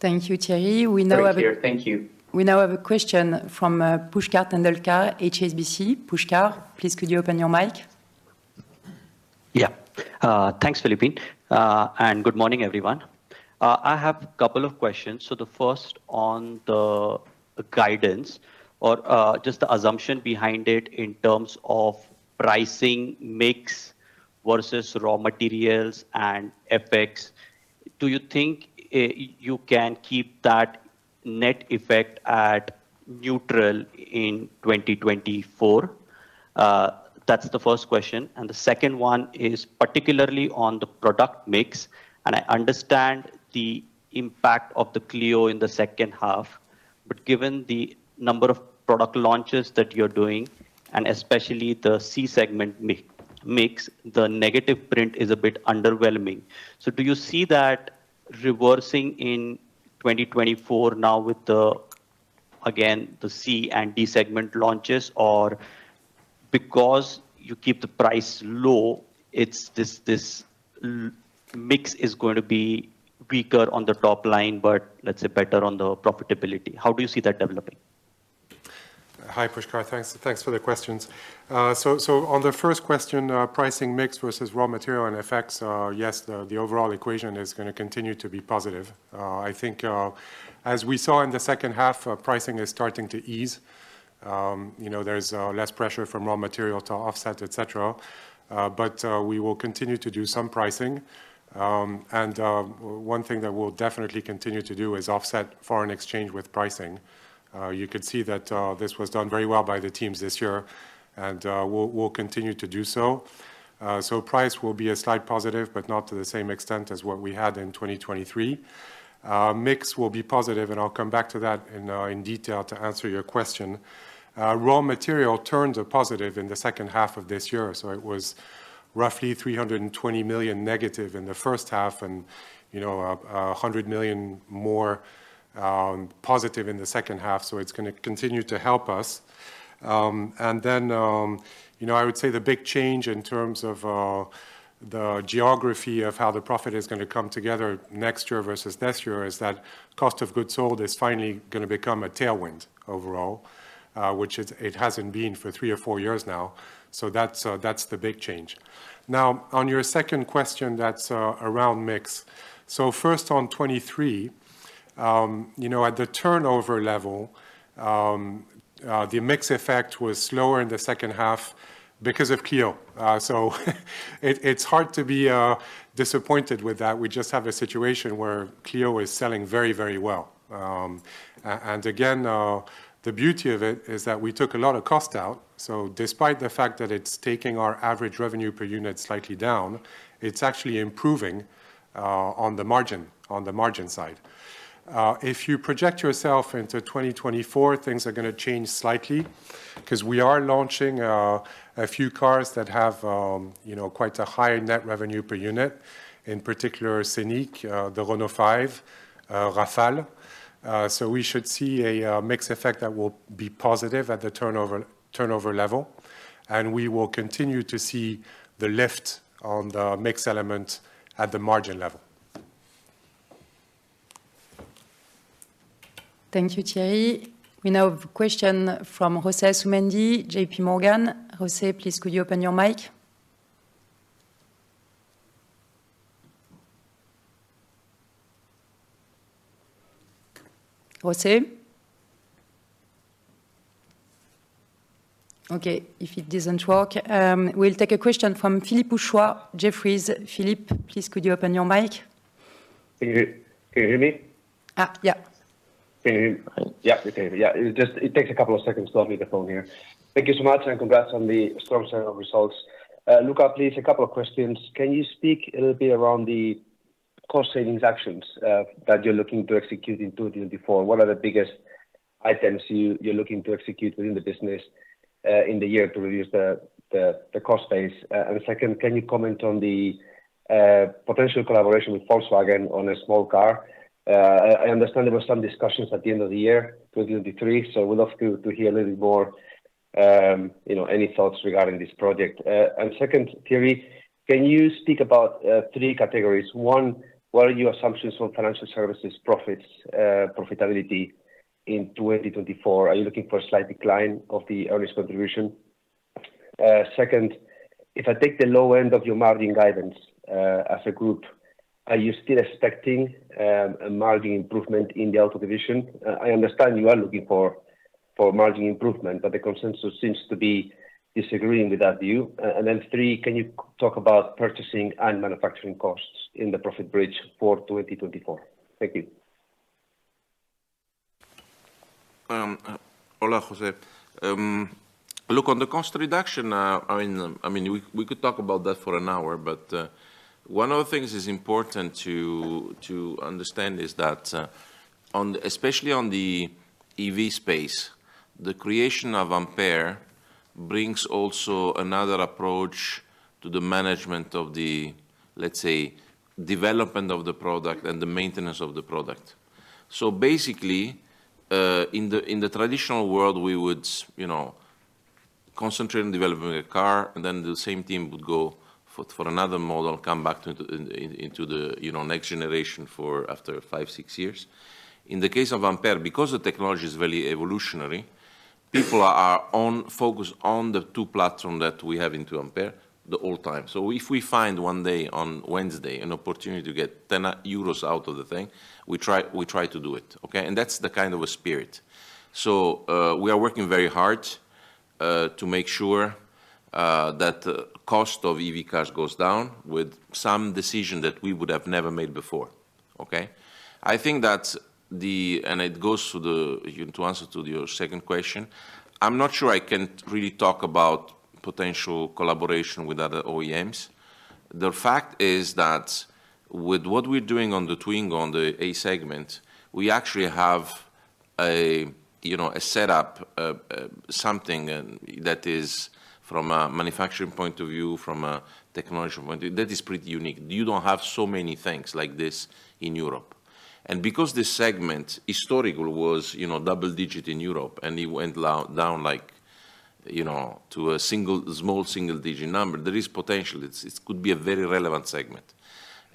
Thank you, Thierry. We now have.
Thank you.
We now have a question from Pushkar Tendolkar, HSBC. Pushkar. Please, could you open your mic?
Yeah. Thanks, Philippine. Good morning, everyone. I have a couple of questions. So the first on the guidance or just the assumption behind it in terms of pricing mix versus raw materials and effects, do you think you can keep that net effect at neutral in 2024? That's the first question. The second one is particularly on the product mix. I understand the impact of the Clio in the H2. But given the number of product launches that you're doing, and especially the C segment mix, the negative print is a bit underwhelming. So do you see that reversing in 2024 now with, again, the C and D segment launches, or because you keep the price low, this mix is going to be weaker on the top line, but let's say better on the profitability? How do you see that developing?
Hi, Pushkar. Thanks for the questions. So on the first question, pricing mix versus raw material and effects, yes, the overall equation is going to continue to be positive. I think, as we saw in the H2, pricing is starting to ease. There's less pressure from raw material to offset, etcetera. But we will continue to do some pricing. And one thing that we'll definitely continue to do is offset foreign exchange with pricing. You could see that this was done very well by the teams this year. And we'll continue to do so. So price will be a slight positive, but not to the same extent as what we had in 2023. Mix will be positive. And I'll come back to that in detail to answer your question. Raw material turned a positive in the H2 of this year. So it was roughly -320 million in the H1 and 100 million more positive in the H2. So it's going to continue to help us. And then I would say the big change in terms of the geography of how the profit is going to come together next year versus this year is that cost of goods sold is finally going to become a tailwind overall, which it hasn't been for three or four years now. So that's the big change. Now, on your second question that's around mix, so first, on 2023, at the turnover level, the mix effect was slower in the H2 because of Clio. So it's hard to be disappointed with that. We just have a situation where Clio is selling very, very well. And again, the beauty of it is that we took a lot of cost out. So despite the fact that it's taking our average revenue per unit slightly down, it's actually improving on the margin, on the margin side. If you project yourself into 2024, things are going to change slightly because we are launching a few cars that have quite a higher net revenue per unit, in particular Scénic, the Renault 5, Rafale. So we should see a mix effect that will be positive at the turnover level. And we will continue to see the lift on the mix element at the margin level.
Thank you, Thierry. We now have a question from José Asumendi, JP Morgan. José, please, could you open your mic? José? OK. If it doesn't work, we'll take a question from Philippe Houchois, Jefferies. Philippe, please, could you open your mic?
Can you hear me?
Yeah.
Yeah. It takes a couple of seconds to unmute the phone here. Thank you so much. And congrats on the strong set of results. Luca, please, a couple of questions. Can you speak a little bit around the cost savings actions that you're looking to execute in 2024? What are the biggest items you're looking to execute within the business in the year to reduce the cost base? And second, can you comment on the potential collaboration with Volkswagen on a small car? I understand there were some discussions at the end of the year 2023. So I would love to hear a little bit more any thoughts regarding this project. And second, Thierry, can you speak about three categories? One, what are your assumptions on financial services profitability in 2024? Are you looking for a slight decline of the earnings contribution? Second, if I take the low end of your margin guidance as a group, are you still expecting a margin improvement in the auto division? I understand you are looking for margin improvement, but the consensus seems to be disagreeing with that view. And then three, can you talk about purchasing and manufacturing costs in the profit bridge for 2024? Thank you.
Hola, José. Look, on the cost reduction, I mean, we could talk about that for an hour. But one of the things that is important to understand is that, especially on the EV space, the creation of Ampere brings also another approach to the management of the, let's say, development of the product and the maintenance of the product. So basically, in the traditional world, we would concentrate on developing a car. And then the same team would go for another model, come back into the next generation after five, six years. In the case of Ampere, because the technology is very evolutionary, people are focused on the two platforms that we have into Ampere the whole time. So if we find one day on Wednesday an opportunity to get 10 euros out of the thing, we try to do it, OK? And that's the kind of a spirit. So we are working very hard to make sure that the cost of EV cars goes down with some decision that we would have never made before, OK? I think that it goes to answer to your second question. I'm not sure I can really talk about potential collaboration with other OEMs. The fact is that with what we're doing on the Twingo on the A segment, we actually have a setup, something that is, from a manufacturing point of view, from a technological point of view, that is pretty unique. You don't have so many things like this in Europe. And because this segment, historically, was double-digit in Europe, and it went down to a small single-digit number, there is potential. It could be a very relevant segment.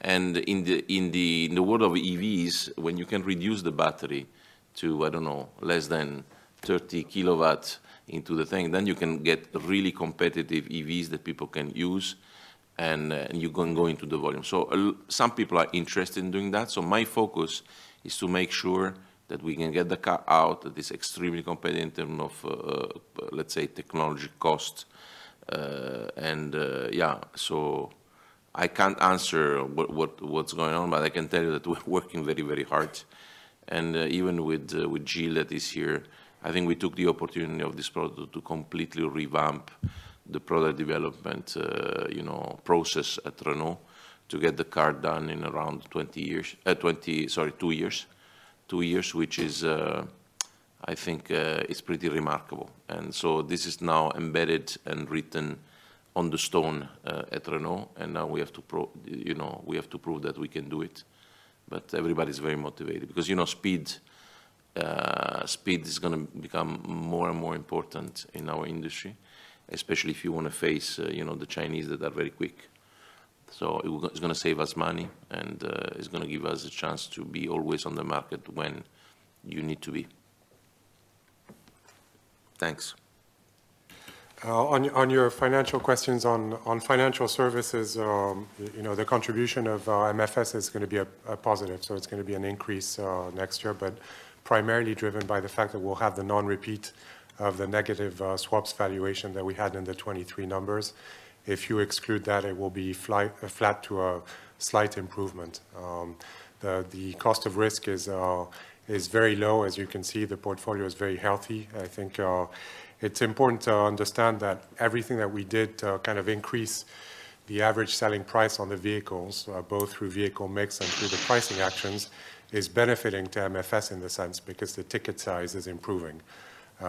In the world of EVs, when you can reduce the battery to, I don't know, less than 30 kW into the thing, then you can get really competitive EVs that people can use. And you can go into the volume. So some people are interested in doing that. So my focus is to make sure that we can get the car out that is extremely competitive in terms of, let's say, technology cost. And yeah, so I can't answer what's going on. But I can tell you that we're working very, very hard. And even with Gilles that is here, I think we took the opportunity of this product to completely revamp the product development process at Renault to get the car done in around 20 years, sorry, 2 years, 2 years, which is, I think, pretty remarkable. And so this is now embedded and written on the stone at Renault. And now we have to prove that we can do it. But everybody is very motivated because speed is going to become more and more important in our industry, especially if you want to face the Chinese that are very quick. So it's going to save us money. And it's going to give us a chance to be always on the market when you need to be. Thanks.
On your financial questions, on financial services, the contribution of MFS is going to be a positive. So it's going to be an increase next year, but primarily driven by the fact that we'll have the non-repeat of the negative swaps valuation that we had in the 2023 numbers. If you exclude that, it will be flat to a slight improvement. The cost of risk is very low. As you can see, the portfolio is very healthy. I think it's important to understand that everything that we did kind of increase the average selling price on the vehicles, both through vehicle mix and through the pricing actions, is benefiting to MFS in the sense because the ticket size is improving.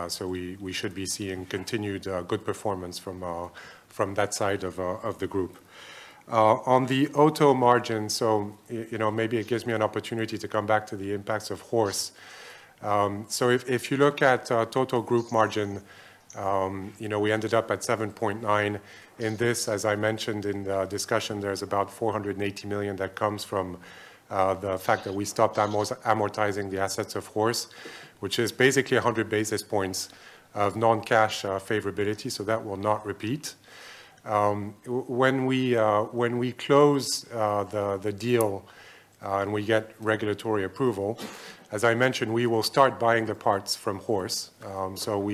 So we should be seeing continued good performance from that side of the group. On the auto margin, so maybe it gives me an opportunity to come back to the impacts of Horse. So if you look at total group margin, we ended up at 7.9%. In this, as I mentioned in the discussion, there's about 480 million that comes from the fact that we stopped amortizing the assets of Horse, which is basically 100 basis points of non-cash favorability. So that will not repeat. When we close the deal and we get regulatory approval, as I mentioned, we will start buying the parts from Horse. So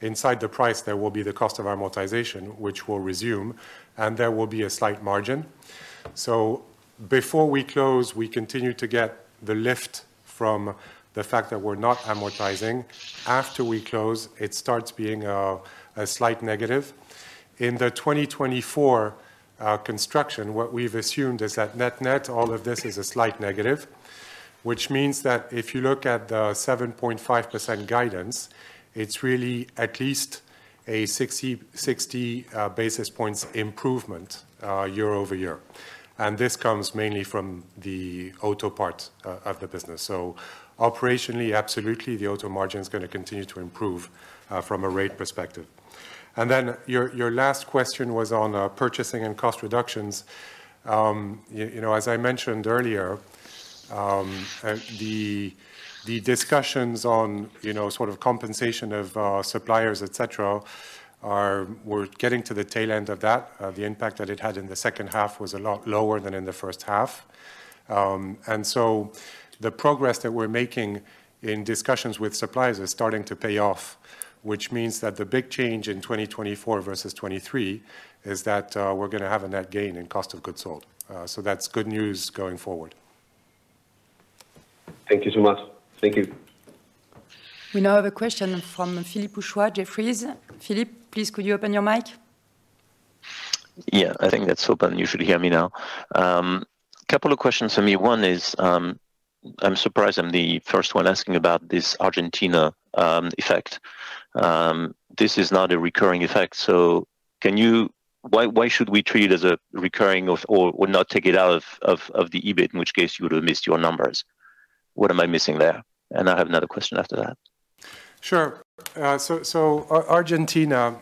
inside the price, there will be the cost of amortization, which will resume. And there will be a slight margin. So before we close, we continue to get the lift from the fact that we're not amortizing. After we close, it starts being a slight negative. In the 2024 construction, what we've assumed is that net-net, all of this is a slight negative, which means that if you look at the 7.5% guidance, it's really at least a 60 basis points improvement year-over-year. And this comes mainly from the auto part of the business. So operationally, absolutely, the auto margin is going to continue to improve from a rate perspective. And then your last question was on purchasing and cost reductions. As I mentioned earlier, the discussions on sort of compensation of suppliers, etcetera, were getting to the tail end of that. The impact that it had in the H2 was a lot lower than in the H1. And so the progress that we're making in discussions with suppliers is starting to pay off, which means that the big change in 2024 versus 2023 is that we're going to have a net gain in cost of goods sold. So that's good news going forward.
Thank you so much. Thank you.
We now have a question from Philippe Houchois, Jefferies. Philippe, please, could you open your mic?
Yeah. I think that's open. You should hear me now. A couple of questions for me. One is I'm surprised I'm the first one asking about this Argentina effect. This is not a recurring effect. So why should we treat it as a recurring or not take it out of the EBIT, in which case you would have missed your numbers? What am I missing there? And I have another question after that.
Sure. So Argentina,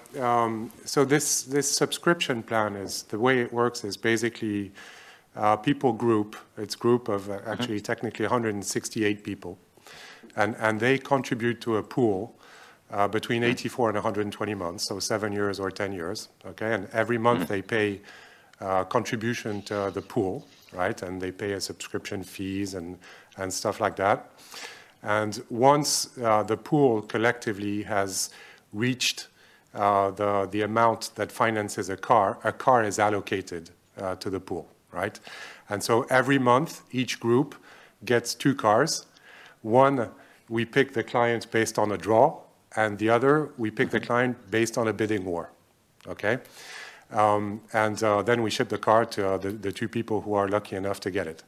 so this subscription plan is the way it works is basically people group. It's a group of actually technically 168 people. And they contribute to a pool between 84 and 120 months, so seven years or 10 years. And every month, they pay a contribution to the pool. And they pay subscription fees and stuff like that. And once the pool collectively has reached the amount that finances a car, a car is allocated to the pool, right? And so every month, each group gets two cars. One, we pick the clients based on a draw. And the other, we pick the client based on a bidding war, OK? And then we ship the car to the two people who are lucky enough to get it.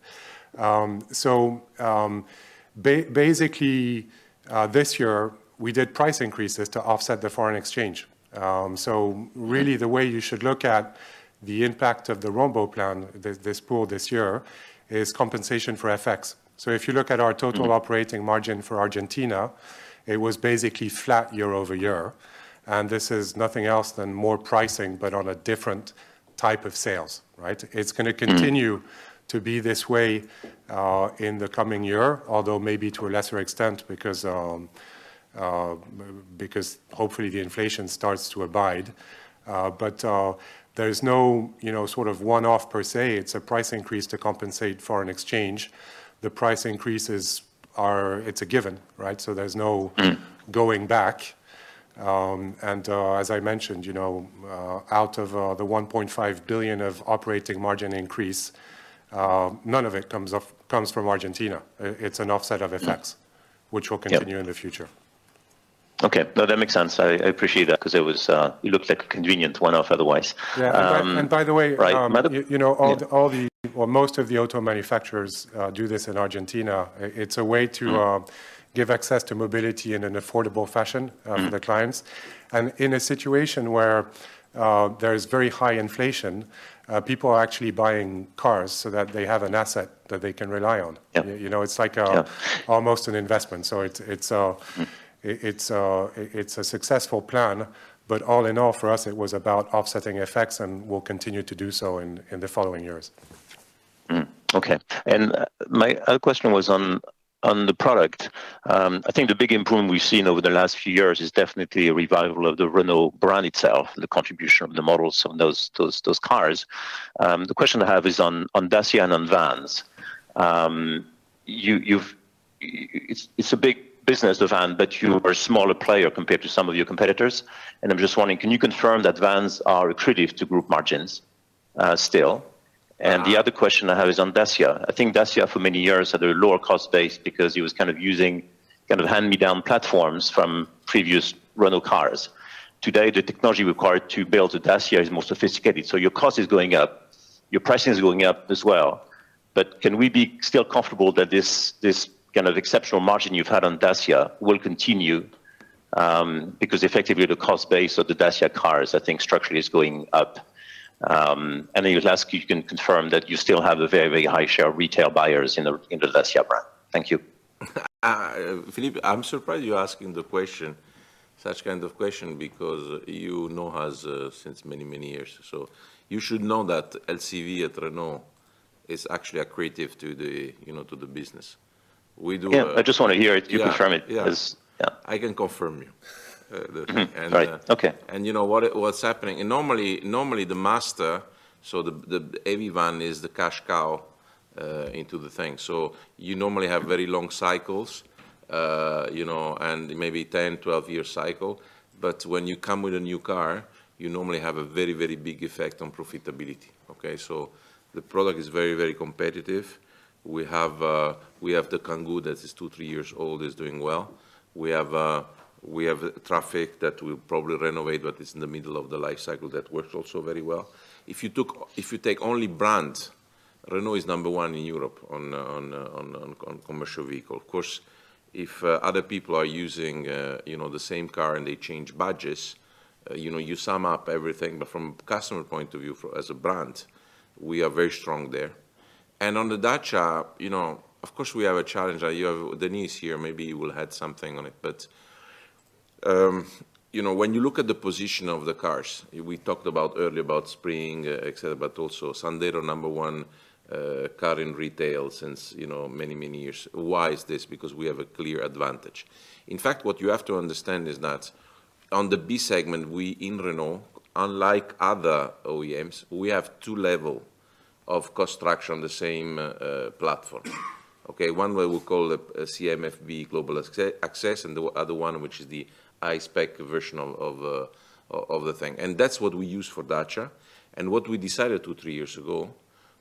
So basically, this year, we did price increases to offset the foreign exchange. So really, the way you should look at the impact of the Rombo plan, this pool this year, is compensation for FX. So if you look at our total operating margin for Argentina, it was basically flat year-over-year. And this is nothing else than more pricing, but on a different type of sales, right? It's going to continue to be this way in the coming year, although maybe to a lesser extent because hopefully, the inflation starts to abide. But there is no sort of one-off, per se. It's a price increase to compensate foreign exchange. The price increases, it's a given, right? So there's no going back. And as I mentioned, out of the 1.5 billion of operating margin increase, none of it comes from Argentina. It's an offset of FX, which will continue in the future.
OK. No, that makes sense. I appreciate that because it looked like a convenient one-off otherwise.
Yeah. By the way, all or most of the auto manufacturers do this in Argentina. It's a way to give access to mobility in an affordable fashion for the clients. In a situation where there is very high inflation, people are actually buying cars so that they have an asset that they can rely on. It's like almost an investment. So it's a successful plan. But all in all, for us, it was about offsetting FX. We'll continue to do so in the following years.
Okay. My other question was on the product. I think the big improvement we've seen over the last few years is definitely a revival of the Renault brand itself, the contribution of the models on those cars. The question I have is on Dacia and on Vans. It's a big business, the van. But you are a smaller player compared to some of your competitors. I'm just wondering, can you confirm that Vans are additive to group margins still? The other question I have is on Dacia. I think Dacia, for many years, had a lower cost base because it was kind of using kind of hand-me-down platforms from previous Renault cars. Today, the technology required to build a Dacia is more sophisticated. So your cost is going up. Your pricing is going up as well. But can we be still comfortable that this kind of exceptional margin you've had on Dacia will continue because, effectively, the cost base of the Dacia cars, I think, structurally is going up? And then you can confirm that you still have a very, very high share of retail buyers in the Dacia brand. Thank you.
Philippe, I'm surprised you're asking the question, such kind of question, because you know us since many, many years. So you should know that LCV at Renault is actually a key driver to the business. We do.
Yeah. I just want to hear it. You confirm it.
Yeah. I can confirm you. And you know what's happening? Normally, the Master, so the heavy van, is the cash cow into the thing. So you normally have very long cycles, and maybe 10, 12-year cycle. But when you come with a new car, you normally have a very, very big effect on profitability, OK? So the product is very, very competitive. We have the Kangoo that is two, three years old, is doing well. We have Trafic that we'll probably renovate. But it's in the middle of the life cycle that works also very well. If you take only brand, Renault is number one in Europe on commercial vehicle. Of course, if other people are using the same car and they change budgets, you sum up everything. But from a customer point of view, as a brand, we are very strong there. On the Dacia, of course, we have a challenge. Denis is here. Maybe he will add something on it. But when you look at the position of the cars, we talked earlier about Spring, etcetera. But also Sandero, number one car in retail since many, many years. Why is this? Because we have a clear advantage. In fact, what you have to understand is that on the B-segment, we, in Renault, unlike other OEMs, we have two levels of cost structure on the same platform, OK? One way, we call it CMF-B Global Access. And the other one, which is the high-spec version of the thing. And that's what we use for Dacia. And what we decided two, three years ago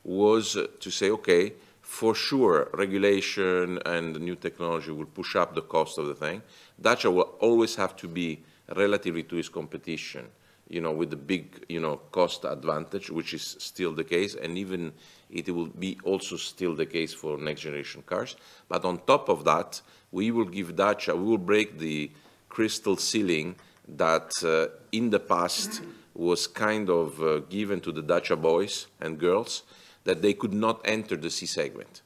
was to say, OK, for sure, regulation and new technology will push up the cost of the thing. Dacia will always have to be relative to its competition with the big cost advantage, which is still the case. Even it will be also still the case for next-generation cars. But on top of that, we will break the crystal ceiling that, in the past, was kind of given to the Dacia boys and girls, that they could not enter the C-segment,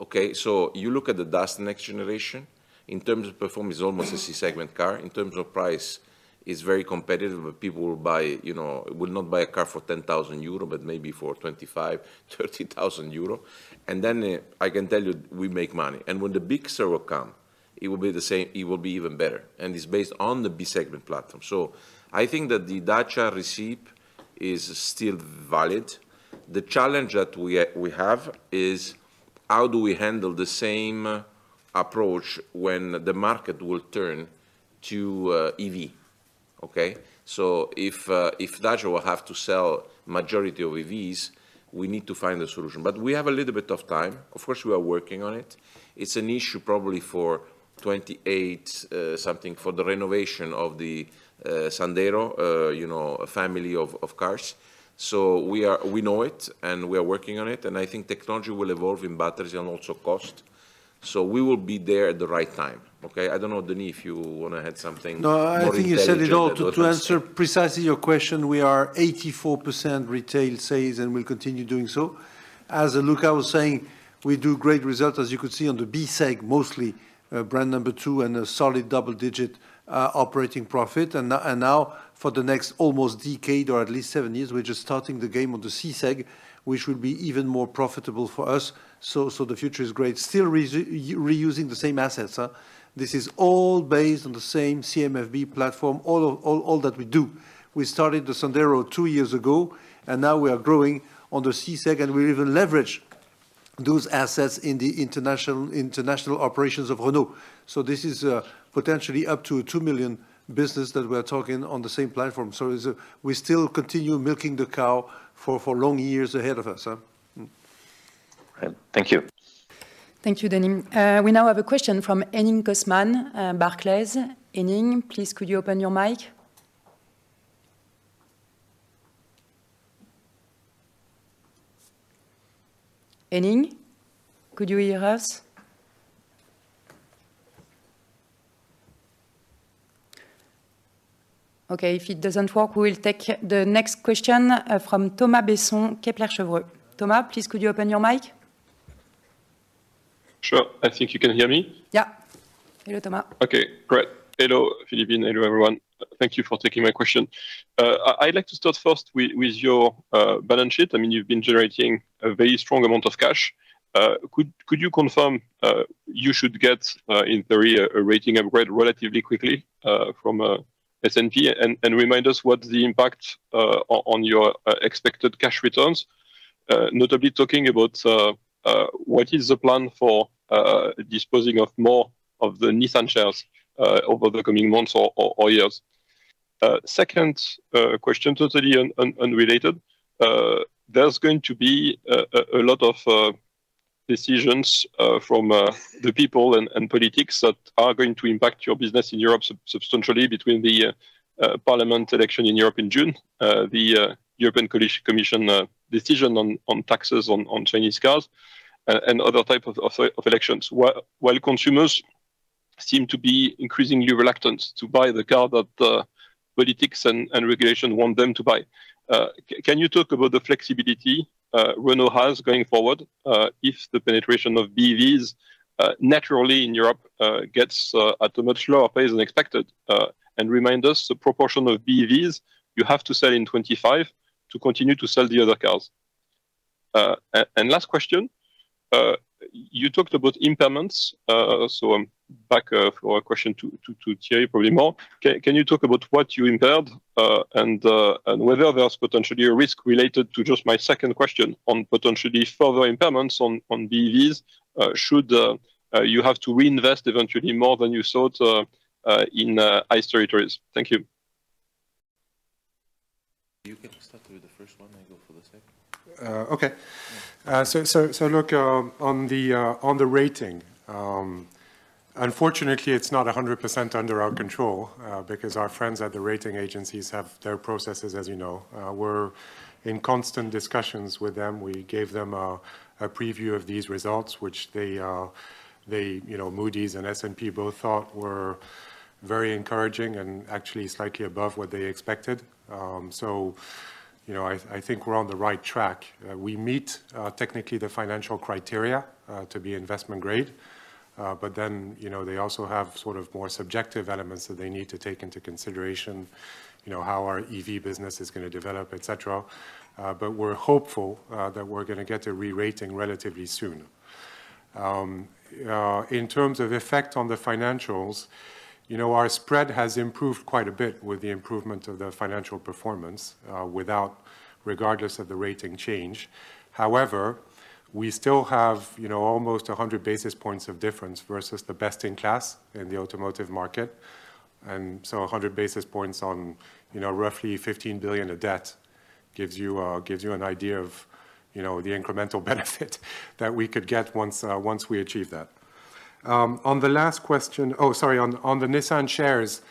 OK? So you look at the Dacia next generation. In terms of performance, it's almost a C-segment car. In terms of price, it's very competitive. But people will not buy a car for 10,000 euro, but maybe for 25,000, 30,000 euro. And then I can tell you, we make money. And when the Bigster come, it will be the same it will be even better. And it's based on the B-segment platform. I think that the Dacia recipe is still valid. The challenge that we have is, how do we handle the same approach when the market will turn to EV, OK? If Dacia will have to sell the majority of EVs, we need to find a solution. But we have a little bit of time. Of course, we are working on it. It's an issue probably for 2028-something for the renovation of the Sandero, a family of cars. We know it. And we are working on it. And I think technology will evolve in batteries and also cost. We will be there at the right time, OK? I don't know, Denis, if you want to add something.
No, I think you said it all. To answer precisely your question, we are 84% retail sales. We'll continue doing so. As Luca was saying, we do great results, as you could see, on the B seg mostly, brand number two and a solid double-digit operating profit. Now, for the next almost decade or at least seven years, we're just starting the game on the C seg, which will be even more profitable for us. So the future is great, still reusing the same assets. This is all based on the same CMF-B platform, all that we do. We started the Sandero two years ago. Now we are growing on the C seg. We even leverage those assets in the international operations of Renault. So this is potentially up to a $2 million business that we are talking on the same platform. We still continue milking the cow for long years ahead of us.
Thank you.
Thank you, Denis. We now have a question from Henning Cosman, Barclays. Henning, please, could you open your mic? Henning, could you hear us? OK. If it doesn't work, we will take the next question from Thomas Besson, Kepler Cheuvreux. Thomas, please, could you open your mic?
Sure. I think you can hear me.
Yeah. Hello, Thomas.
OK. Great. Hello, Philippine. Hello, everyone. Thank you for taking my question. I'd like to start first with your balance sheet. I mean, you've been generating a very strong amount of cash. Could you confirm you should get, in theory, a rating upgrade relatively quickly from S&P and remind us what the impact on your expected cash returns, notably talking about what is the plan for disposing of more of the Nissan shares over the coming months or years? Second question, totally unrelated. There's going to be a lot of decisions from the people and politics that are going to impact your business in Europe substantially between the parliament election in Europe in June, the European Commission decision on taxes on Chinese cars, and other types of elections, while consumers seem to be increasingly reluctant to buy the car that politics and regulation want them to buy. Can you talk about the flexibility Renault has going forward if the penetration of BEVs naturally in Europe gets at a much slower pace than expected and remind us the proportion of BEVs you have to sell in 2025 to continue to sell the other cars? And last question. You talked about impairments. So back for a question to Thierry, probably more. Can you talk about what you impaired and whether there's potentially a risk related to just my second question on potentially further impairments on BEVs? Should you have to reinvest eventually more than you thought in highest territories? Thank you.
You can start with the first one. I go for the second.
OK. So look, on the rating, unfortunately, it's not 100% under our control because our friends at the rating agencies have their processes, as you know. We're in constant discussions with them. We gave them a preview of these results, which Moody's and S&P both thought were very encouraging and actually slightly above what they expected. So I think we're on the right track. We meet, technically, the financial criteria to be investment grade. But then they also have sort of more subjective elements that they need to take into consideration, how our EV business is going to develop, etcetera. But we're hopeful that we're going to get a rerating relatively soon. In terms of effect on the financials, our spread has improved quite a bit with the improvement of the financial performance, regardless of the rating change. However, we still have almost 100 basis points of difference versus the best-in-class in the automotive market. So 100 basis points on roughly $15 billion of debt gives you an idea of the incremental benefit that we could get once we achieve that. On the last question, oh, sorry, on the Nissan shares,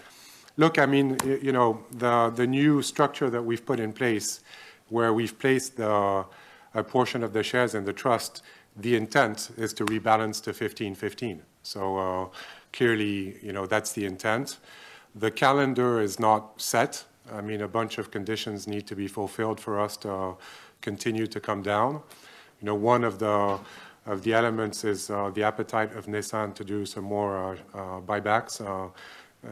look, I mean, the new structure that we've put in place, where we've placed a portion of the shares in the trust, the intent is to rebalance to 15-15. So clearly, that's the intent. The calendar is not set. I mean, a bunch of conditions need to be fulfilled for us to continue to come down. One of the elements is the appetite of Nissan to do some more buybacks.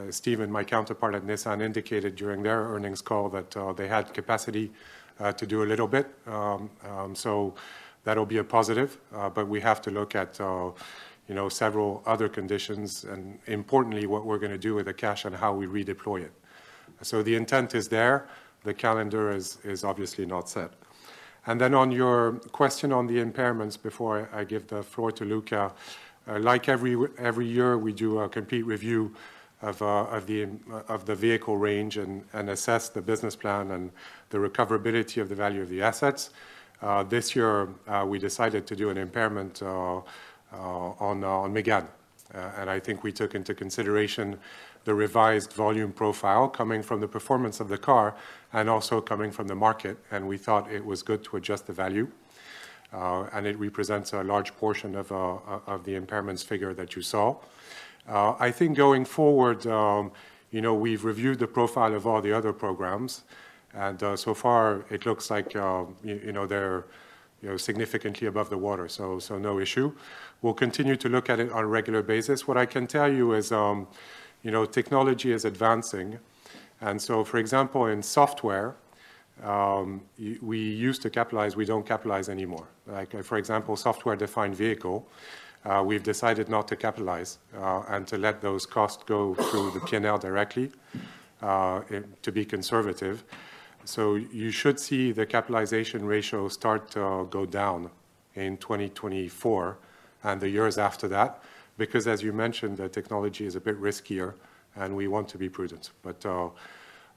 Steve and my counterpart at Nissan indicated during their earnings call that they had capacity to do a little bit. So that'll be a positive. But we have to look at several other conditions. Importantly, what we're going to do with the cash and how we redeploy it. The intent is there. The calendar is obviously not set. Then on your question on the impairments before I give the floor to Luca, like every year, we do a complete review of the vehicle range and assess the business plan and the recoverability of the value of the assets. This year, we decided to do an impairment on Mégane. I think we took into consideration the revised volume profile coming from the performance of the car and also coming from the market. We thought it was good to adjust the value. It represents a large portion of the impairments figure that you saw. I think going forward, we've reviewed the profile of all the other programs. So far, it looks like they're significantly above the water, so no issue. We'll continue to look at it on a regular basis. What I can tell you is, technology is advancing. And so, for example, in software, we used to capitalize. We don't capitalize anymore. For example, software-defined vehicle, we've decided not to capitalize and to let those costs go through the P&L directly, to be conservative. So you should see the capitalization ratio start to go down in 2024 and the years after that because, as you mentioned, the technology is a bit riskier. And we want to be prudent. But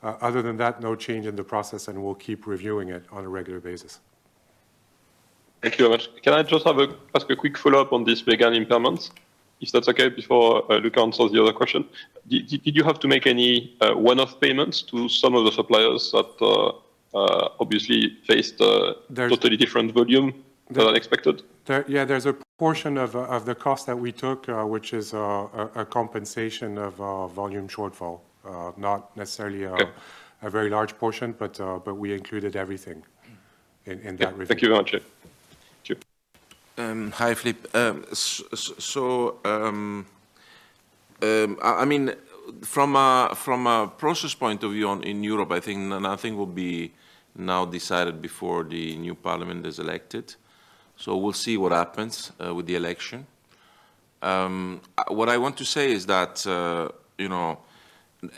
other than that, no change in the process. And we'll keep reviewing it on a regular basis.
Thank you very much. Can I just have a quick follow-up on this Mégane impairment, if that's OK, before Luca answers the other question? Did you have to make any one-off payments to some of the suppliers that obviously faced totally different volume than expected? Yeah. There's a portion of the cost that we took, which is a compensation of volume shortfall, not necessarily a very large portion. But we included everything in that review. Thank you very much. Thank you.
Hi, Philippe. So I mean, from a process point of view in Europe, I think nothing will be now decided before the new parliament is elected. So we'll see what happens with the election. What I want to say is that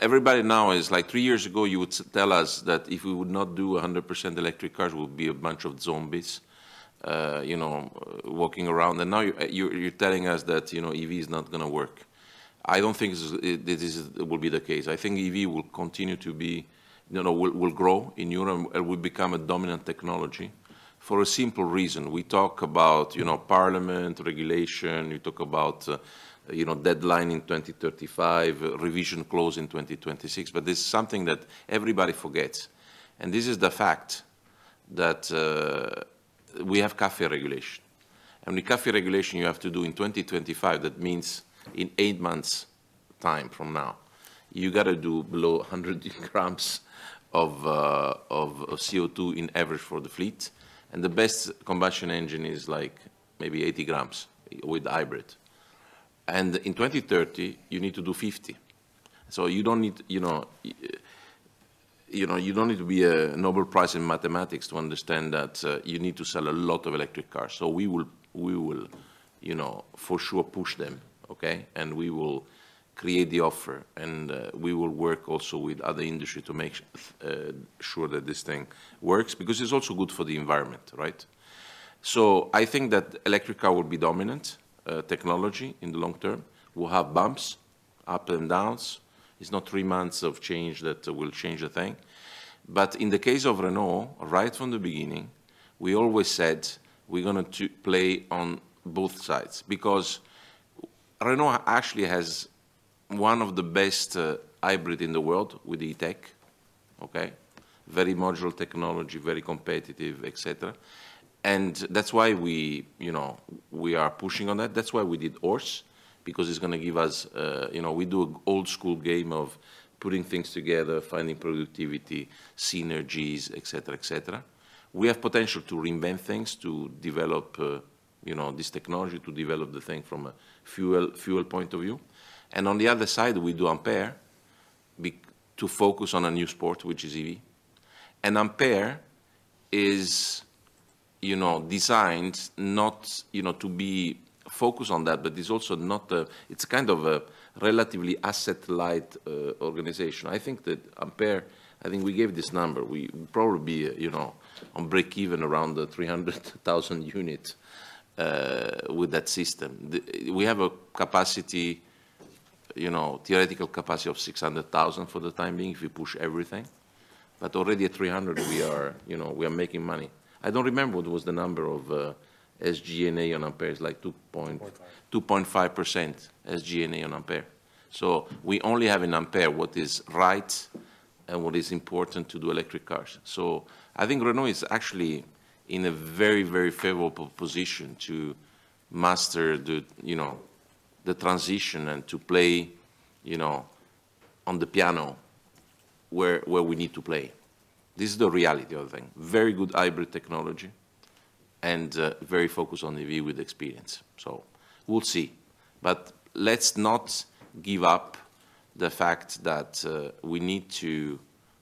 everybody now is like, three years ago, you would tell us that if we would not do 100% electric cars, we would be a bunch of zombies walking around. And now you're telling us that EV is not going to work. I don't think this will be the case. I think EV will continue to be will grow in Europe. And it will become a dominant technology for a simple reason. We talk about parliament regulation. You talk about deadline in 2035, revision close in 2026. But there's something that everybody forgets. And this is the fact that we have CAFE regulation. And the CAFE regulation you have to do in 2025, that means in 8 months time from now, you've got to do below 100 grams of CO2 on average for the fleet. And the best combustion engine is like maybe 80 grams with the hybrid. And in 2030, you need to do 50. So you don't need to be a Nobel Prize in mathematics to understand that you need to sell a lot of electric cars. So we will for sure push them, OK? And we will create the offer. And we will work also with other industries to make sure that this thing works because it's also good for the environment, right? So I think that electric car will be dominant technology in the long term. We'll have bumps, ups and downs. It's not three months of change that will change the thing. But in the case of Renault, right from the beginning, we always said, we're going to play on both sides because Renault actually has one of the best hybrids in the world with the E-Tech, OK? Very modular technology, very competitive, etcetera. And that's why we are pushing on that. That's why we did Horse because it's going to give us we do an old-school game of putting things together, finding productivity, synergies, etcetera, etcetera. We have potential to reinvent things, to develop this technology, to develop the thing from a fuel point of view. And on the other side, we do Ampere to focus on a new sport, which is EV. And Ampere is designed not to be focused on that. But it's also not a it's kind of a relatively asset-light organization. I think that Ampere I think we gave this number. We'll probably be on break-even around 300,000 units with that system. We have a capacity, theoretical capacity, of 600,000 for the time being if we push everything. But already at 300, we are making money. I don't remember what was the number of SG&A on Ampere. It's like 2.5% SG&A on Ampere. So we only have in Ampere what is right and what is important to do electric cars. So I think Renault is actually in a very favorable position to master the transition and to play on the piano where we need to play. This is the reality of the thing: very good hybrid technology and very focused on EV with experience. So we'll see. But let's not give up the fact that we need to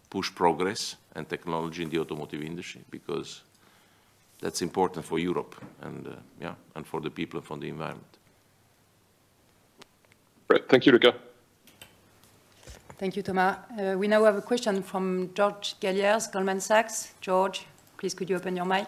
push progress and technology in the automotive industry because that's important for Europe and for the people and for the environment.
Great. Thank you, Luca.
Thank you, Thomas. We now have a question from George Galliers, Goldman Sachs. George, please, could you open your mic?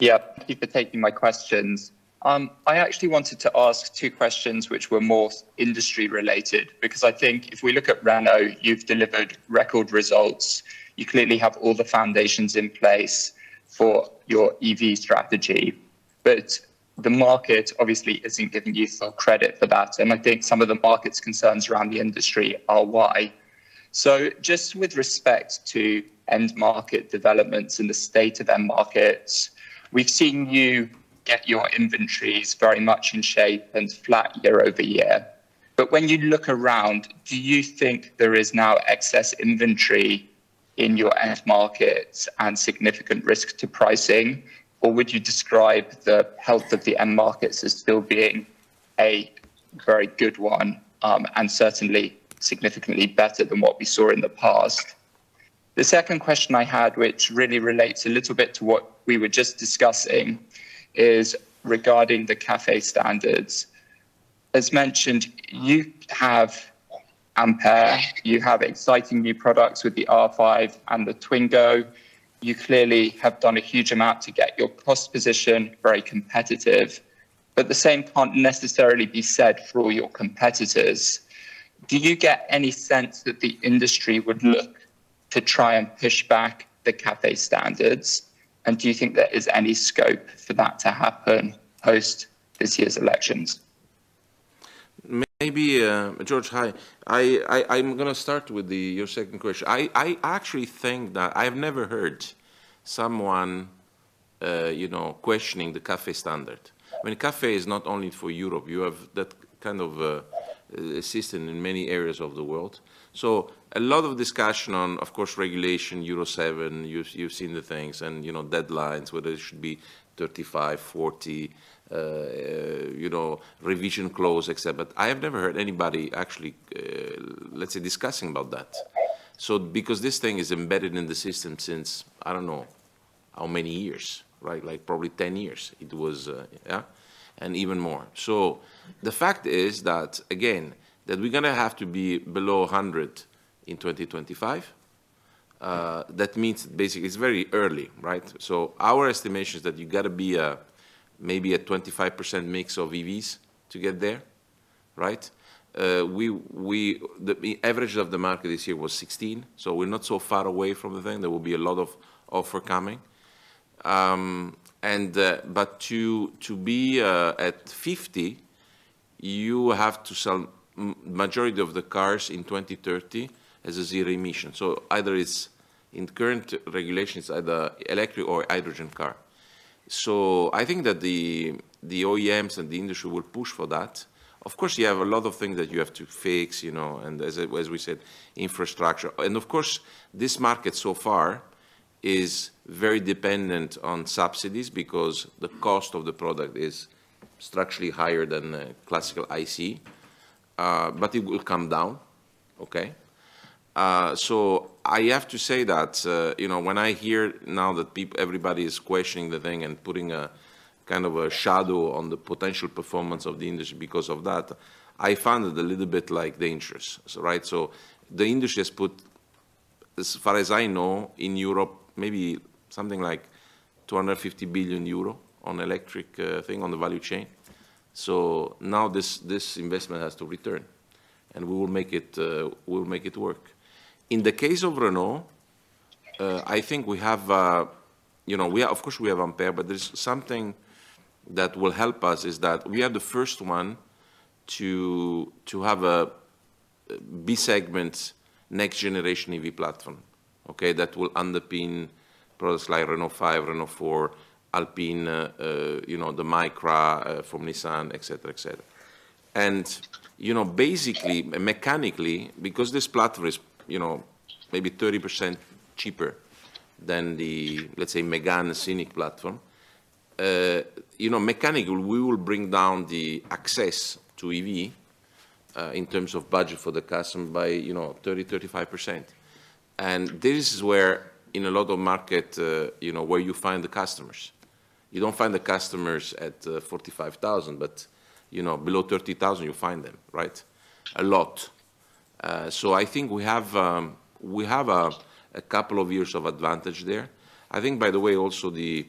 Yeah. Thank you for taking my questions. I actually wanted to ask two questions which were more industry-related because I think if we look at Renault, you've delivered record results. You clearly have all the foundations in place for your EV strategy. But the market, obviously, isn't giving you full credit for that. And I think some of the market's concerns around the industry are why. So just with respect to end-market developments and the state of end-markets, we've seen you get your inventories very much in shape and flat year-over-year. But when you look around, do you think there is now excess inventory in your end-markets and significant risk to pricing? Or would you describe the health of the end-markets as still being a very good one and certainly significantly better than what we saw in the past? The second question I had, which really relates a little bit to what we were just discussing, is regarding the CAFE standards. As mentioned, you have Ampere. You have exciting new products with the R5 and the Twingo. You clearly have done a huge amount to get your cost position very competitive. But the same can't necessarily be said for all your competitors. Do you get any sense that the industry would look to try and push back the CAFE standards? And do you think there is any scope for that to happen post this year's elections?
Maybe, George. Hi. I'm going to start with your second question. I actually think that I've never heard someone questioning the CAFE standard. I mean, CAFE is not only for Europe. You have that kind of system in many areas of the world. So a lot of discussion on, of course, regulation, Euro 7. You've seen the things and deadlines, whether it should be 35, 40, revision close, etcetera. But I have never heard anybody actually, let's say, discussing about that because this thing is embedded in the system since, I don't know, how many years, right? Like probably 10 years. It was, yeah? And even more. So the fact is that, again, that we're going to have to be below 100 in 2025, that means basically, it's very early, right? So our estimation is that you've got to be maybe a 25% mix of EVs to get there, right? The average of the market this year was 16%. So we're not so far away from the thing. There will be a lot of offers coming. But to be at 50%, you have to sell the majority of the cars in 2030 as a zero-emission. So either it's in current regulation, it's either electric or hydrogen car. So I think that the OEMs and the industry will push for that. Of course, you have a lot of things that you have to fix, and as we said, infrastructure, and of course, this market so far is very dependent on subsidies because the cost of the product is structurally higher than the classical ICE. But it will come down, OK? So I have to say that when I hear now that everybody is questioning the thing and putting a kind of a shadow on the potential performance of the industry because of that, I find it a little bit like dangerous, right? So the industry has put, as far as I know, in Europe, maybe something like 250 billion euro on electric thing on the value chain. So now this investment has to return. And we will make it work. In the case of Renault, I think we have of course, we have Ampere. But there's something that will help us is that we are the first one to have a B-segment next-generation EV platform, OK, that will underpin products like Renault 5, Renault 4, Alpine, the Micra from Nissan, etcetera, etcetera. Basically, mechanically, because this platform is maybe 30% cheaper than the, let's say, Mégane Scénic platform, mechanically, we will bring down the access to EV in terms of budget for the customer by 30%, 35%. And this is where, in a lot of markets, where you find the customers. You don't find the customers at 45,000. But below 30,000, you find them, right? A lot. So I think we have a couple of years of advantage there. I think, by the way, also, the